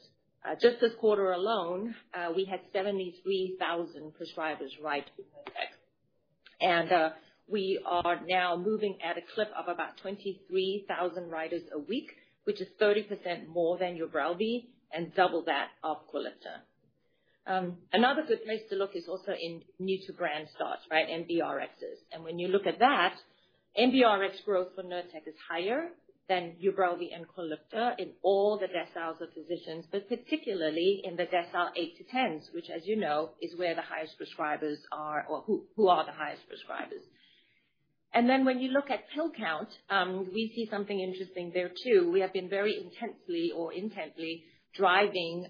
Just this quarter alone, we had 73,000 prescribers write NURTEC. And, we are now moving at a clip of about 23,000 writers a week, which is 30% more than UBRELVY and double that of QULIPTA. Another good place to look is also in new-to-brand start, right, NRxs. And when you look at that, NRx growth for NURTEC is higher than UBRELVY and QULIPTA in all the deciles of physicians, but particularly in the decile 8 to 10s, which, as you know, is where the highest prescribers are or who are the highest prescribers. And then when you look at pill count, we see something interesting there, too. We have been very intensely or intently driving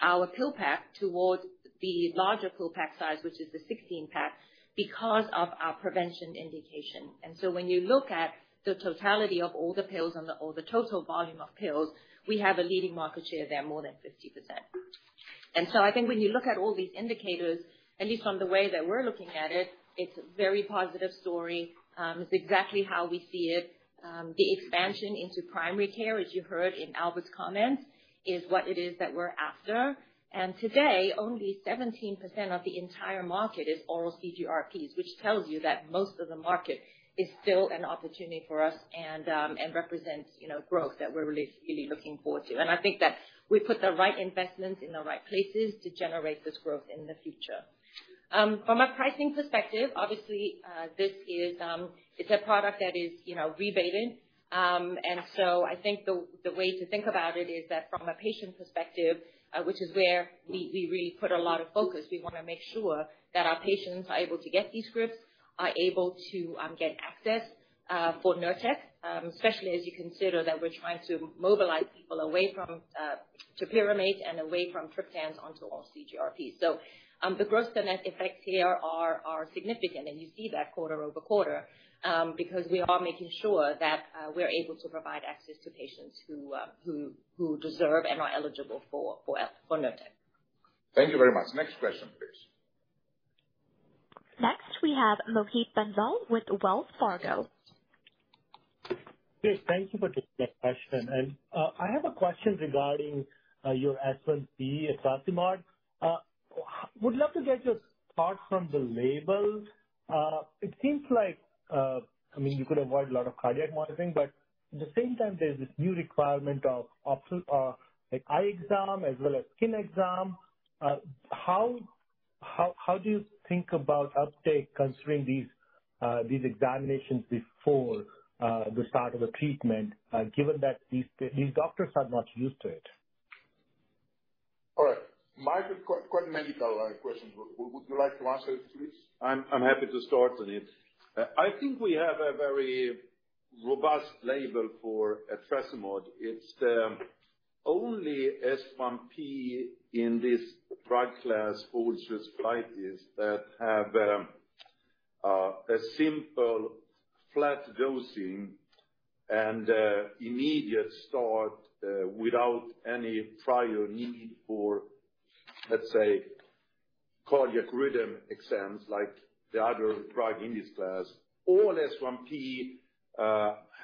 our pill pack towards the larger pill pack size, which is the 16-pack, because of our prevention indication. And so when you look at the totality of all the pills and the or the total volume of pills, we have a leading market share there, more than 50%. And so I think when you look at all these indicators, at least from the way that we're looking at it, it's a very positive story. It's exactly how we see it. The expansion into primary care, as you heard in Albert's comments, is what it is that we're after. And today, only 17% of the entire market is oral CGRPs, which tells you that most of the market is still an opportunity for us and, and represents, you know, growth that we're really, really looking forward to. And I think that we put the right investments in the right places to generate this growth in the future. From a pricing perspective, obviously, this is, it's a product that is, you know, rebated. And so I think the way to think about it is that from a patient perspective, which is where we really put a lot of focus, we want to make sure that our patients are able to get these scripts, are able to get access for NURTEC, especially as you consider that we're trying to mobilize people away from atogepant and away from triptans onto oral CGRP. So, the gross-to-net effects here are significant, and you see that quarter-over-quarter, because we are making sure that we're able to provide access to patients who deserve and are eligible for NURTEC. Thank you very much. Next question, please. Next, we have Mohit Bansal with Wells Fargo. Yes, thank you for taking my question. I have a question regarding your S1P etrasimod. Would love to get your thoughts from the label. It seems like, I mean, you could avoid a lot of cardiac monitoring, but at the same time, there's this new requirement of opti- like, eye exam as well as skin exam. How, how, how do you think about uptake considering these, these examinations before, the start of a treatment, given that these, these doctors are not used to it? All right. Mike, it's quite a medical question. Would you like to answer it, please? I'm happy to start with it. I think we have a very robust label for etrasimod. It's the only S1P in this drug class for psoriasis that have a simple flat dosing and immediate start without any prior need for, let's say, cardiac rhythm exams, like the other drug in this class. All S1P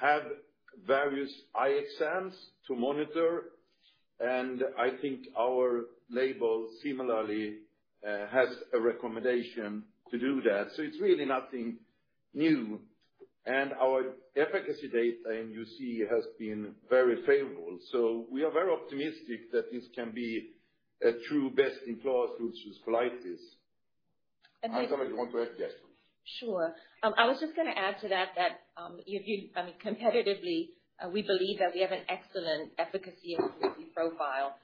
have various eye exams to monitor, and I think our label similarly has a recommendation to do that. So it's really nothing new. And our efficacy data, and you see, has been very favorable. So we are very optimistic that this can be a true best in class for psoriasis. Angela, you want to go ahead? Yes. Sure. I was just going to add to that, that, if you— I mean, competitively, we believe that we have an excellent efficacy and safety profile.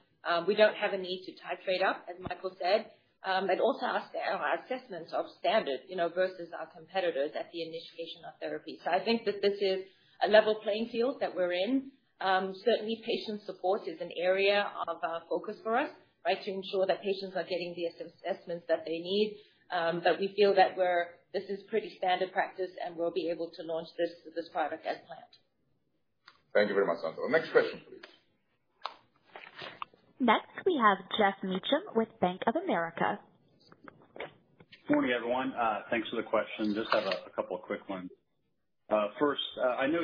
We don't have a need to titrate up, as Mikael said. But also our assessments are standard, you know, versus our competitors at the initiation of therapy. So I think that this is a level playing field that we're in. Certainly, patient support is an area of focus for us, right? To ensure that patients are getting the assessments that they need. But we feel that we're—this is pretty standard practice, and we'll be able to launch this product as planned. Thank you very much, Angela. Next question, please. Next, we have Geoff Meacham with Bank of America. Good morning, everyone. Thanks for the question. Just have a couple of quick ones. First, I know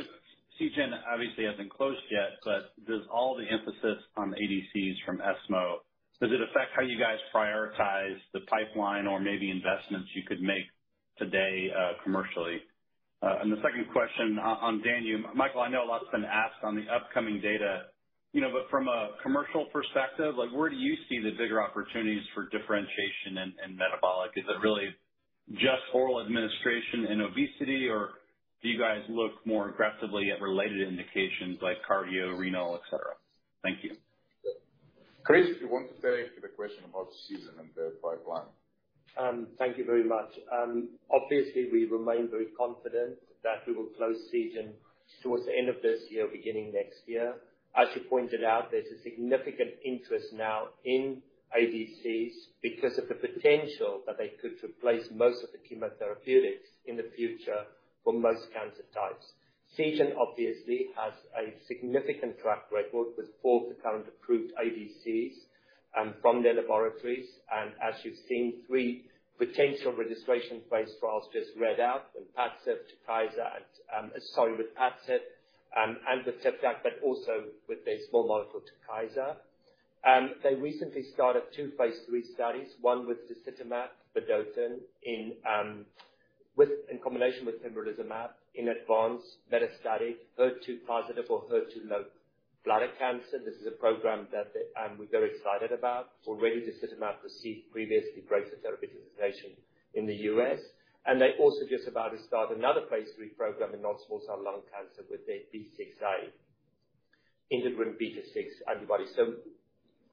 Seagen obviously hasn't closed yet, but does all the emphasis on ADCs from ESMO affect how you guys prioritize the pipeline or maybe investments you could make today, commercially? And the second question on danu. Mikael, I know a lot's been asked on the upcoming data, you know, but from a commercial perspective, like, where do you see the bigger opportunities for differentiation in metabolic? Is it really just oral administration and obesity, or do you guys look more aggressively at related indications like cardio, renal, et cetera? Thank you. Chris, do you want to start with the question about Seagen and their pipeline? Thank you very much. Obviously, we remain very confident that we will close Seagen towards the end of this year, beginning next year. As you pointed out, there's a significant interest now in ADCs because of the potential that they could replace most of the chemotherapeutics in the future for most cancer types. Seagen obviously has a significant track record with four of the current approved ADCs from their laboratories. As you've seen, three potential registration phase trials just read out with PADCEV and the TIVDAK, but also with the small molecule Tykerb. They recently started two phase III studies, one with disitamab vedotin in combination with pembrolizumab in advanced metastatic HER2-positive or HER2-low bladder cancer. This is a program that we're very excited about. Already, sacituzumab received previously Breakthrough Therapy Designation in the U.S., and they're also just about to start another phase III program in non-small cell lung cancer with their B6A integrin beta-6 antibody. So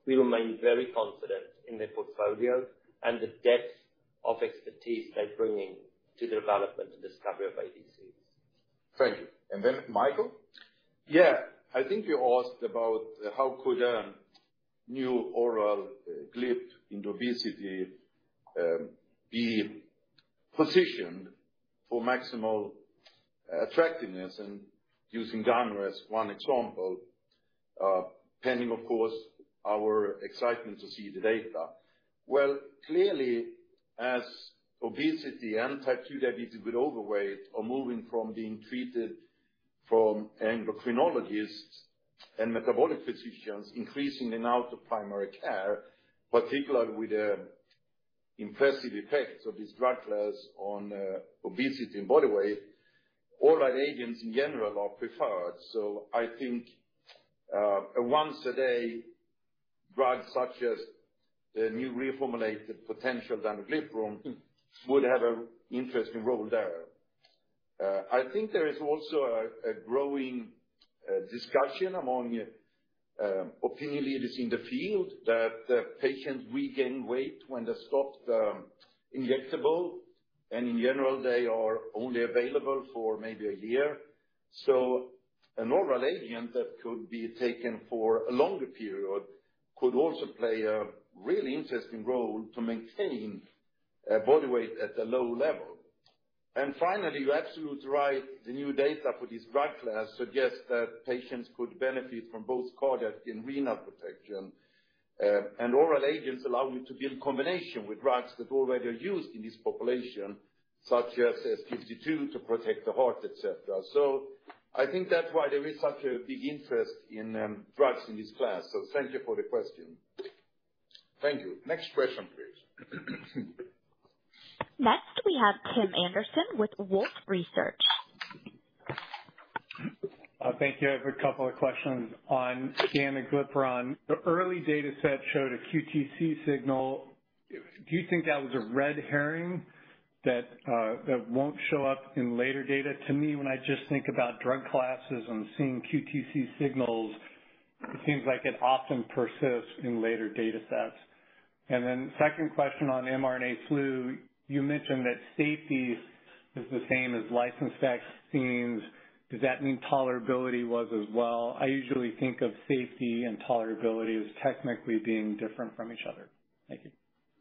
we remain very confident in their portfolio and the depth of expertise they're bringing to the development and discovery of ADCs. Thank you. And then Mikael? Yeah. I think you asked about how could a new oral GLP-1 to obesity be positioned for maximal attractiveness and using danu as one example, pending, of course, our excitement to see the data. Well, clearly, as obesity and type two diabetes with overweight are moving from being treated from endocrinologists and metabolic physicians, increasingly now to primary care, particularly with the impressive effects of this drug class on obesity and body weight, oral agents in general are preferred. So I think a once-a-day drug, such as the new reformulated potential danuglipron, would have an interesting role there. I think there is also a growing discussion among opinion leaders in the field, that patients regain weight when they stop the injectable, and in general, they are only available for maybe a year. So an oral agent that could be taken for a longer period could also play a really interesting role to maintain, body weight at a low level. And finally, you're absolutely right, the new data for this drug class suggests that patients could benefit from both cardiac and renal protection. And oral agents allow you to be in combination with drugs that already are used in this population, such as SGLT2, to protect the heart, et cetera. So I think that's why there is such a big interest in, drugs in this class. So thank you for the question. Thank you. Next question, please. Next, we have Tim Anderson with Wolfe Research. Thank you. I have a couple of questions. On danuglipron, the early dataset showed a QTc signal. Do you think that was a red herring that that won't show up in later data? To me, when I just think about drug classes and seeing QTc signals, it seems like it often persists in later datasets. And then second question on mRNA flu. You mentioned that safety is the same as licensed vaccines. Does that mean tolerability was as well? I usually think of safety and tolerability as technically being different from each other. Thank you.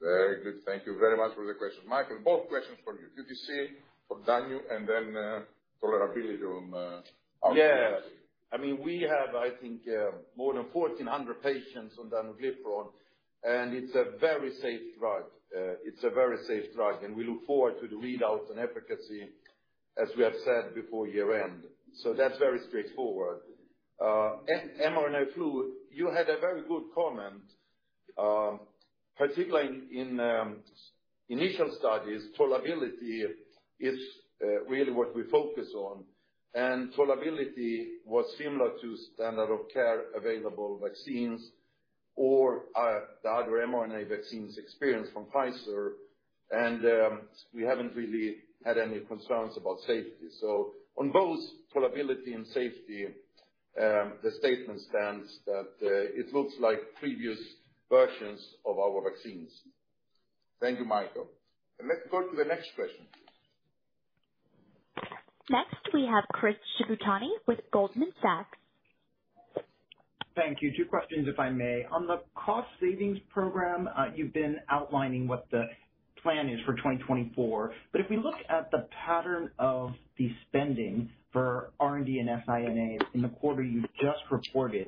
Very good. Thank you very much for the question. Mikael, both questions for you. QTc for danu, and then, tolerability on, mRNA. Yeah. I mean, we have, I think, more than 1,400 patients on danuglipron, and it's a very safe drug. It's a very safe drug, and we look forward to the readouts and efficacy, as we have said, before year-end. So that's very straightforward. mRNA flu, you had a very good comment. Particularly in initial studies, tolerability is really what we focus on, and tolerability was similar to standard of care available vaccines or the other mRNA vaccines experience from Pfizer, and, we haven't really had any concerns about safety. So on both tolerability and safety, the statement stands that, it looks like previous versions of our vaccines. Thank you, Mikael. And let's go to the next question. Next, we have Chris Shibutani with Goldman Sachs. Thank you. Two questions, if I may. On the cost savings program, you've been outlining what the plan is for 2024, but if we look at the pattern of the spending for R&D and SI&A in the quarter you just reported,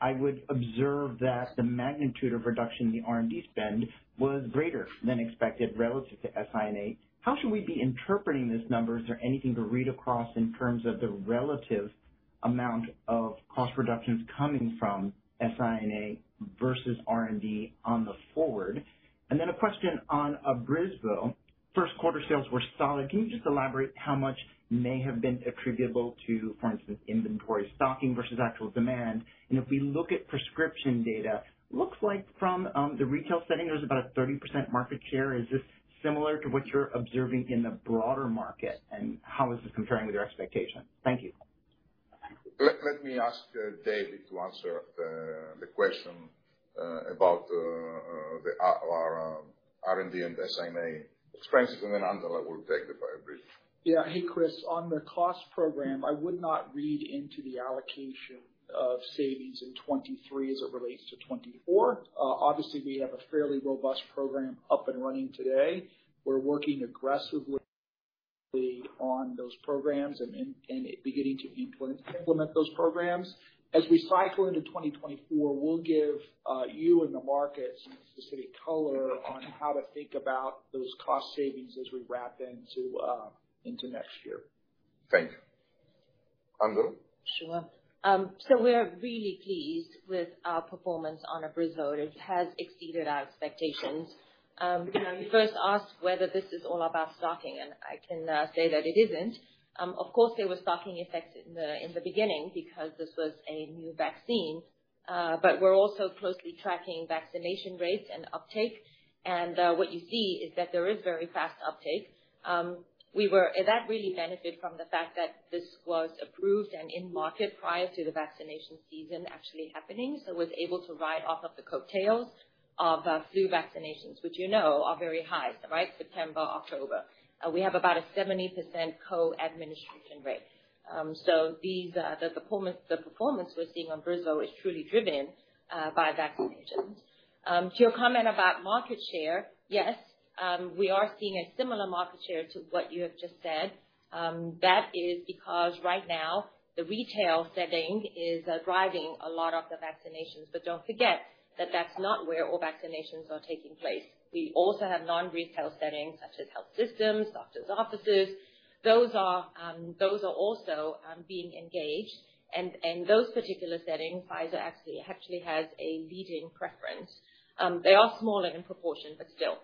I would observe that the magnitude of reduction in the R&D spend was greater than expected relative to SI&A. How should we be interpreting this number? Is there anything to read across in terms of the relative amount of cost reductions coming from SI&A versus R&D on the forward? And then a question on ABRYSVO. First quarter sales were solid. Can you just elaborate how much may have been attributable to, for instance, inventory stocking versus actual demand? And if we look at prescription data, looks like from the retail setting, there's about a 30% market share. Is this similar to what you're observing in the broader market, and how is this comparing with your expectations? Thank you. Let me ask David to answer the question about our R&D and SI&A experience, and then Angela will take it for ABRYSVO. Yeah. Hey, Chris. On the cost program, I would not read into the allocation of savings in 2023 as it relates to 2024. Obviously, we have a fairly robust program up and running today. We're working aggressively on those programs and beginning to implement those programs. As we cycle into 2024, we'll give you and the market some specific color on how to think about those cost savings as we wrap into next year. Thank you. Angela? Sure. So we are really pleased with our performance on ABRYSVO. It has exceeded our expectations. You first asked whether this is all about stocking, and I can say that it isn't. Of course, there was stocking effects in the beginning because this was a new vaccine, but we're also closely tracking vaccination rates and uptake. And what you see is that there is very fast uptake. And that really benefit from the fact that this was approved and in market prior to the vaccination season actually happening, so was able to ride off of the coattails of flu vaccinations, which you know are very high, right? September, October. We have about a 70% co-administration rate. So the performance we're seeing on ABRYSVO is truly driven by vaccinations. To your comment about market share, yes, we are seeing a similar market share to what you have just said. That is because right now the retail setting is driving a lot of the vaccinations. But don't forget that that's not where all vaccinations are taking place. We also have non-retail settings, such as health systems, doctor's offices. Those are also being engaged. And those particular settings, Pfizer actually has a leading preference. They are smaller in proportion, but still.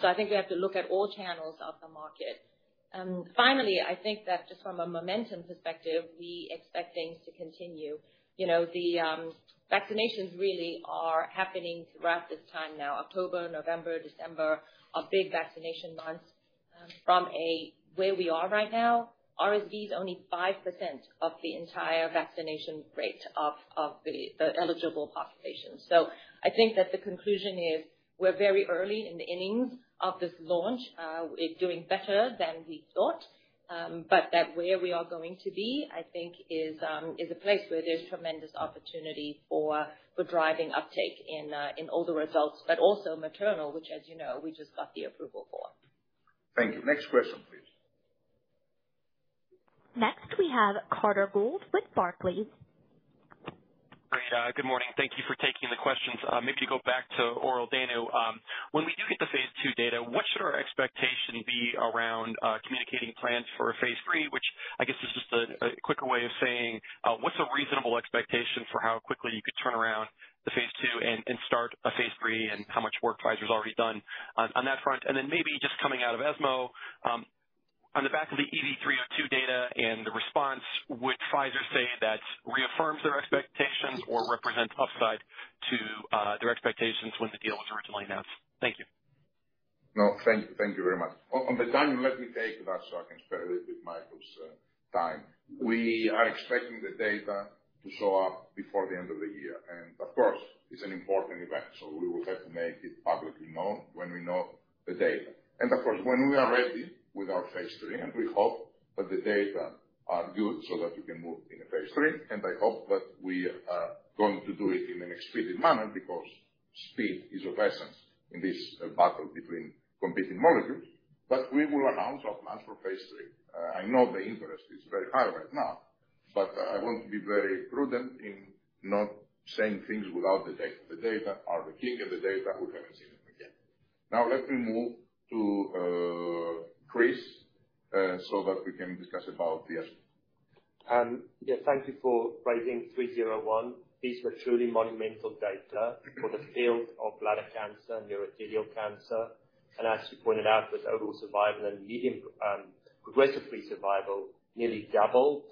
So I think we have to look at all channels of the market. Finally, I think that just from a momentum perspective, we expect things to continue. You know, the vaccinations really are happening throughout this time now. October, November, December are big vaccination months. From where we are right now, RSV is only 5% of the entire vaccination rate of the eligible population. So I think that the conclusion is, we're very early in the innings of this launch. It's doing better than we thought, but where we are going to be, I think is a place where there's tremendous opportunity for driving uptake in all the results, but also maternal, which, as you know, we just got the approval for. Thank you. Next question, please. Next, we have Carter Gould with Barclays. Great. Good morning. Thank you for taking the questions. Maybe go back to oral danu. When we do get the phase II data, what should our expectation be around communicating plans for a phase III? Which I guess is just a quicker way of saying, what's a reasonable expectation for how quickly you could turn around the phase II and start a phase III, and how much work Pfizer's already done on that front? And then maybe just coming out of ESMO, on the back of the EV302 data and the response, would Pfizer say that reaffirms their expectations or represents upside to their expectations when the deal was originally announced? Thank you. No, thank you very much. On the timing, let me take that so I can spare a little bit Mikael's time. We are expecting the data to show up before the end of the year, and of course, it's an important event, so we will have to make it publicly known when we know the data. And of course, when we are ready with our phase III, and we hope that the data are good so that we can move in a phase III, and I hope that we are going to do it in an expedient manner, because speed is of essence in this battle between competing molecules. But we will announce our plans for phase III. I know the interest is very high right now, but I want to be very prudent in not saying things without the data. The data are the king, and the data, we haven't seen them again. Now let me move to, Chris, so that we can discuss about the ESMO. Yeah, thank you for raising 301. These were truly monumental data for the field of bladder cancer, urothelial cancer, and as you pointed out, with overall survival and median progression-free survival nearly doubled,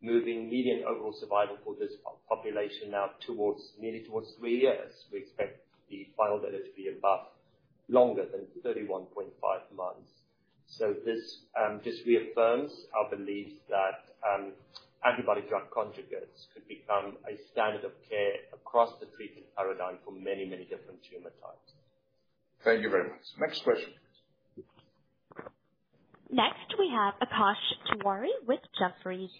moving median overall survival for this population now towards nearly three years. We expect the final data to be above, longer than 31.5 months. So this just reaffirms our belief that antibody-drug conjugates could become a standard of care across the treatment paradigm for many, many different tumor types. Thank you very much. Next question. Next, we have Akash Tewari with Jefferies.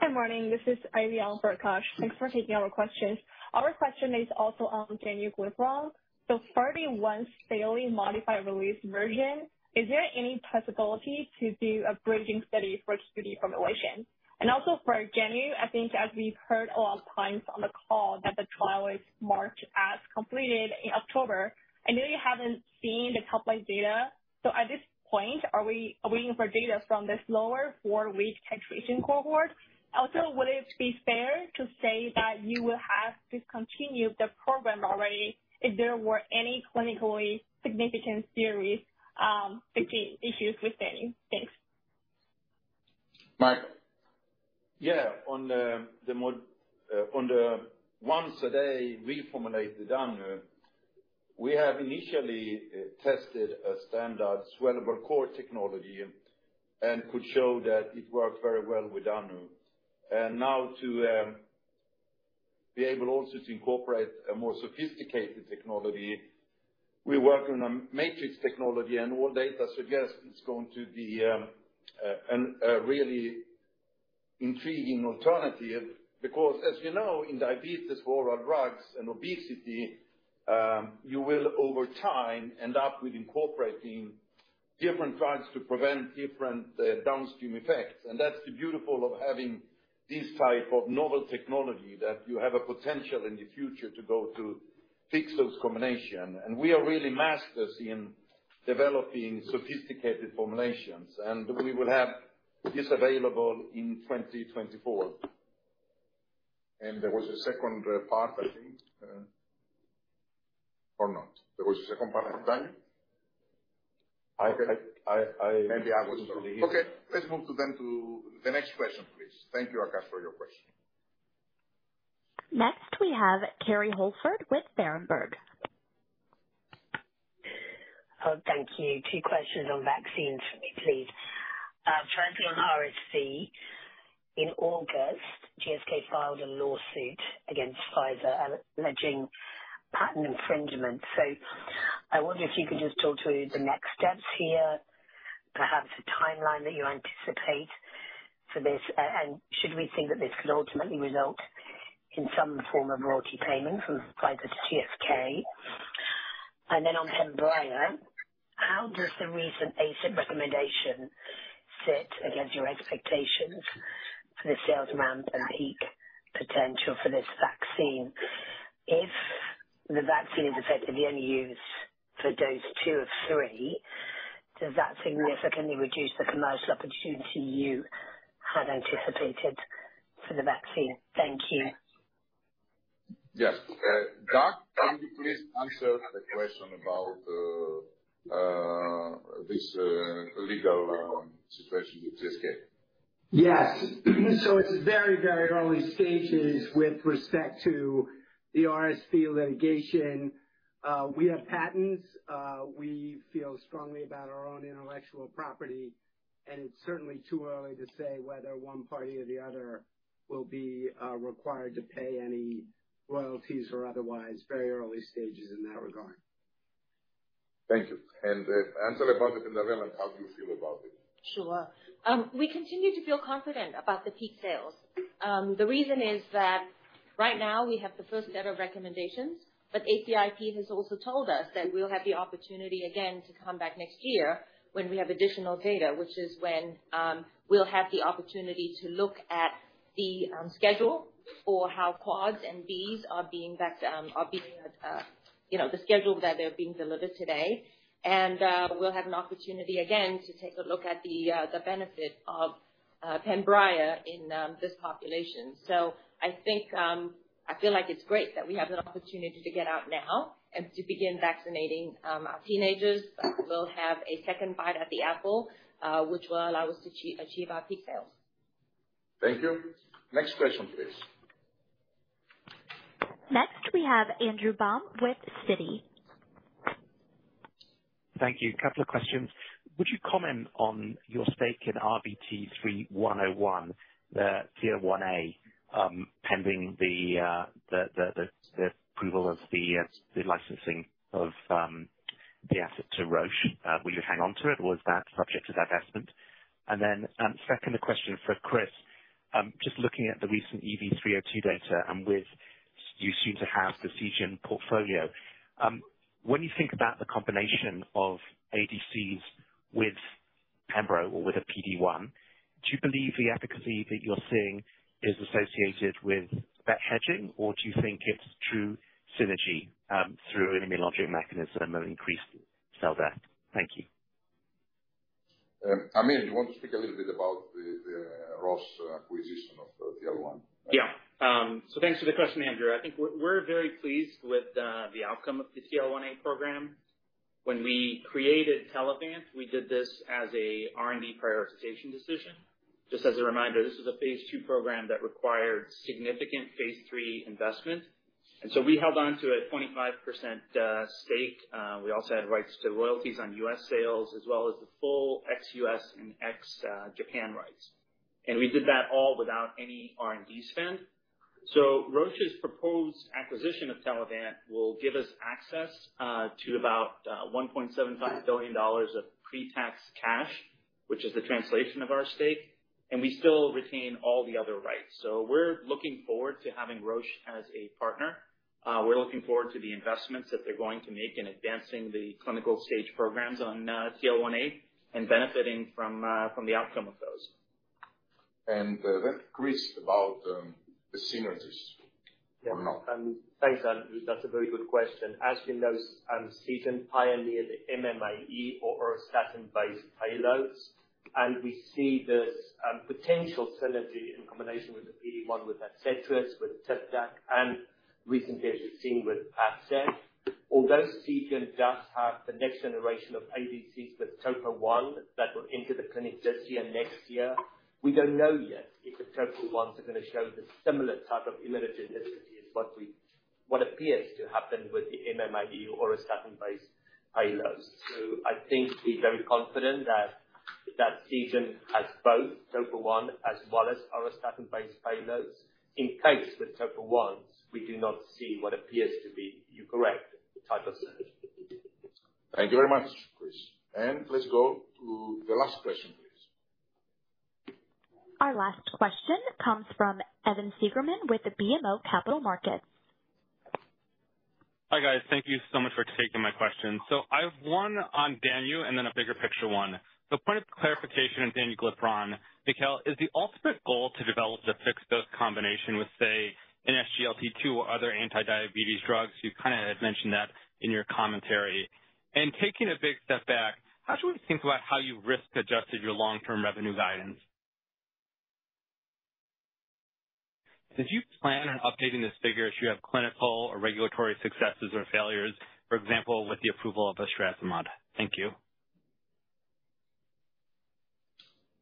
Good morning. This is Ivy on for Akash. Thanks for taking our questions. Our question is also on danuglipron. So far, the once-daily modified release version, is there any possibility to do a bridging study for study formulation? And also for danuglipron, I think as we've heard a lot of times on the call that the trial is marked as completed in October. I know you haven't seen the top-line data. So at this point, are we waiting for data from this lower four-week titration cohort? Also, would it be fair to say that you will have discontinued the program already if there were any clinically significant serious issues with danuglipron? Thanks. Mike? Yeah. On the modified once-a-day reformulated danu, we have initially tested a standard swellable core technology and could show that it works very well with danu. And now to be able also to incorporate a more sophisticated technology, we work on a matrix technology, and all data suggests it's going to be a really intriguing alternative. Because, as you know, in diabetes, oral drugs, and obesity, you will over time end up with incorporating different drugs to prevent different downstream effects. And that's the beauty of having this type of novel technology, that you have a potential in the future to go to fix those combination. And we are really masters in developing sophisticated formulations, and we will have this available in 2024. There was a second part, I think, or not? There was a second part of Daniel? I, I, I- Maybe I was wrong. Okay, let's move to then to the next question, please. Thank you, Akash, for your question. Next, we have Kerry Holford with Berenberg. Oh, thank you. Two questions on vaccines for me, please. First, on RSV, in August, GSK filed a lawsuit against Pfizer, alleging patent infringement. I wonder if you could just talk to the next steps here, perhaps the timeline that you anticipate for this, and should we think that this could ultimately result in some form of royalty payment from Pfizer to GSK? And then on PENBRAYA, how does the recent ACIP recommendation sit against your expectations for the sales amount and peak potential for this vaccine? If the vaccine is effectively only used for dose two of three, does that significantly reduce the commercial opportunity you had anticipated for the vaccine? Thank you. Yes. Doc, can you please answer the question about this legal situation with GSK? Yes. So it's very, very early stages with respect to the RSV litigation. We have patents, we feel strongly about our own intellectual property, and it's certainly too early to say whether one party or the other will be required to pay any royalties or otherwise. Very early stages in that regard. Thank you. And, answer about the PENBRAYA, how do you feel about it? Sure. We continue to feel confident about the peak sales. The reason is that right now we have the first set of recommendations, but ACIP has also told us that we'll have the opportunity again to come back next year when we have additional data, which is when we'll have the opportunity to look at the schedule for how quads and Bs are being, you know, the schedule that they're being delivered today. And we'll have an opportunity again to take a look at the benefit of PENBRAYA in this population. So I think I feel like it's great that we have an opportunity to get out now and to begin vaccinating our teenagers. We'll have a second bite at the apple, which will allow us to achieve our peak sales. Thank you. Next question, please. Next, we have Andrew Baum with Citi. Thank you. Couple of questions. Would you comment on your stake in RVT-3101, the TL1A, pending the approval of the licensing of the asset to Roche? Will you hang on to it, or is that subject to divestment? And then, second question for Chris. Just looking at the recent EV-302 data and with you soon to have the Seagen portfolio, when you think about the combination of ADCs with Pembro or with a PD-1, do you believe the efficacy that you're seeing is associated with that hedging? Or do you think it's true synergy, through an immunologic mechanism of increased cell death? Thank you. Aamir, do you want to speak a little bit about the Roche acquisition of the TL1A? Yeah. So thanks for the question, Andrew. I think we're very pleased with the outcome of the CL-1A program. When we created Telavant, we did this as a R&D prioritization decision. Just as a reminder, this is a phase II program that required significant phase III investment, and so we held on to a 25% stake. We also had rights to royalties on US sales, as well as the full ex-US and ex-Japan rights. We did that all without any R&D spend. Roche's proposed acquisition of Telavant will give us access to about $1.75 billion of pre-tax cash, which is the translation of our stake, and we still retain all the other rights. We're looking forward to having Roche as a partner. We're looking forward to the investments that they're going to make in advancing the clinical stage programs on TL1A and benefiting from the outcome of those. And then, Chris, about the synergies or not. Yeah. Thanks, Andrew. That's a very good question. As you know, Seagen pioneered the MMAE or auristatin-based payloads, and we see this potential synergy in combination with the PD1, with atezolizumab, with TECENTRIQ, and recently, as you've seen with PADCEV. Although Seagen does have the next generation of ADCs with TOPO1 that will enter the clinic this year, next year, we don't know yet if the TOPO1s are gonna show the similar type of immunogenicity as what appears to happen with the MMAE auristatin-based payloads. So I think we're very confident that Seagen has both TOPO1 as well as auristatin-based payloads. In the case with TOPO1s, we do not see what appears to be, you're correct, type of CRS. Thank you very much, Chris. Let's go to the last question, please. Our last question comes from Evan Seigerman with BMO Capital Markets. Hi, guys. Thank you so much for taking my question. So I have one on danuglipron, and then a bigger picture one. The point of clarification on danuglipron, Mikael, is the ultimate goal to develop the fixed dose combination with, say, an SGLT2 or other anti-diabetes drugs? You kind of had mentioned that in your commentary. And taking a big step back, how should we think about how you've risk-adjusted your long-term revenue guidance? Did you plan on updating this figure as you have clinical or regulatory successes or failures, for example, with the approval of etrasimod? Thank you.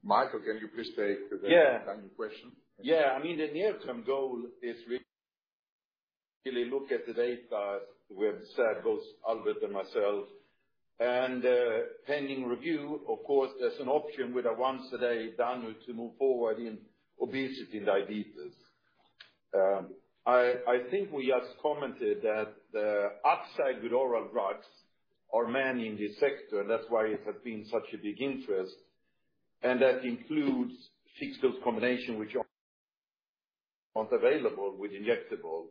Mikael, can you please take the- Yeah. -danu question? Yeah. I mean, the near-term goal is really to look at the data with circles, Albert and myself, and, pending review, of course, there's an option with a once a day danu to move forward in obesity and diabetes. I, I think we just commented that the upside with oral drugs are many in this sector, and that's why it has been such a big interest, and that includes fixed dose combination, which are not available with injectable.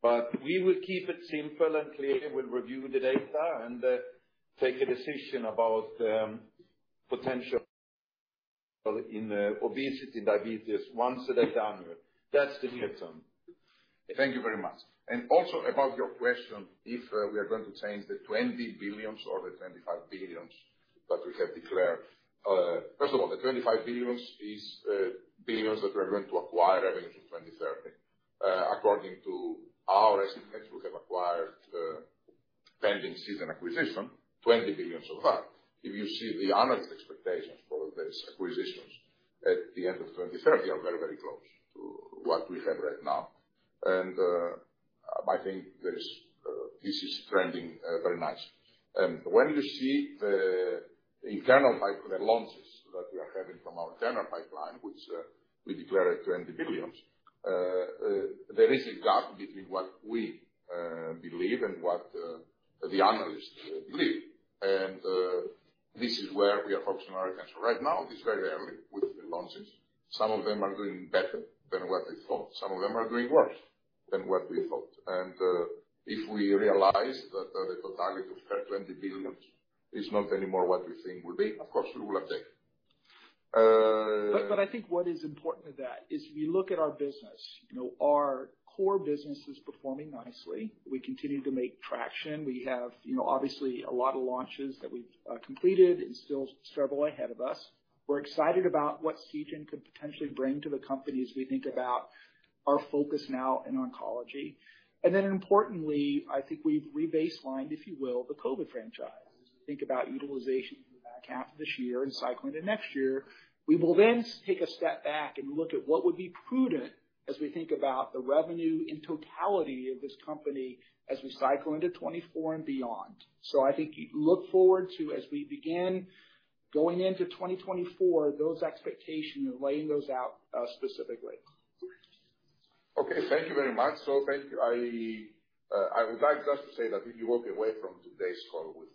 But we will keep it simple and clear. We'll review the data and, take a decision about, potential in, obesity and diabetes once a day danu. That's the near term. Thank you very much. And also about your question, if we are going to change the $20 billion or the $25 billion that we have declared. First of all, the $25 billion is billions that we are going to acquire revenues in 2030. According to our estimates, we have acquired, pending Seagen acquisition, $20 billion of that. If you see the analyst expectations for this acquisitions at the end of 2030, are very, very close to what we have right now. And I think there is, this is trending very nice. And when you see the internal pipe- the launches that we are having from our internal pipeline, which we declared at $20 billion, there is a gap between what we believe and what the analysts believe. This is where we are focusing our attention. Right now, it is very early with the launches. Some of them are doing better than what we thought. Some of them are doing worse than what we thought. If we realize that the totality of that $20 billion is not anymore what we think will be, of course, we will update. But I think what is important to that is if you look at our business, you know, our core business is performing nicely. We continue to make traction. We have, you know, obviously, a lot of launches that we've completed and still several ahead of us. We're excited about what Seagen could potentially bring to the company as we think about our focus now in oncology. And then importantly, I think we've rebaselined, if you will, the COVID franchise. Think about utilization in the back half of this year and cycle into next year. We will then take a step back and look at what would be prudent as we think about the revenue and totality of this company as we cycle into 2024 and beyond. So I think you look forward to, as we begin going into 2024, those expectations and laying those out, specifically. Okay, thank you very much. So thank you. I would like just to say that if you walk away from today's call with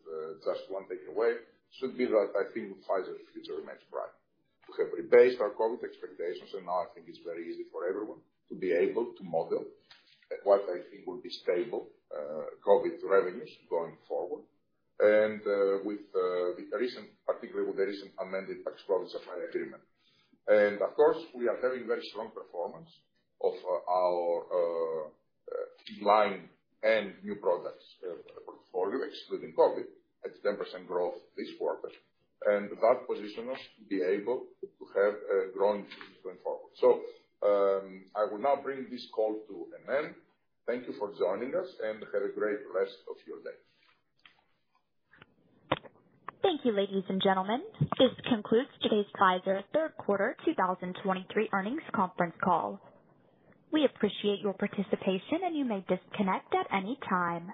just one takeaway, should be that I think Pfizer's future remains bright. We have rebased our COVID expectations, and now I think it's very easy for everyone to be able to model what I think will be stable COVID revenues going forward. And with the recent, particularly with the recent amended COVID Products Supply Agreement. And, of course, we are having very strong performance of our in-line and new products portfolio, excluding COVID, at 10% growth this quarter. And that positions us to be able to have a growth going forward. So, I will now bring this call to an end. Thank you for joining us, and have a great rest of your day. Thank you, ladies and gentlemen. This concludes today's Pfizer third quarter 2023 earnings conference call. We appreciate your participation, and you may disconnect at any time.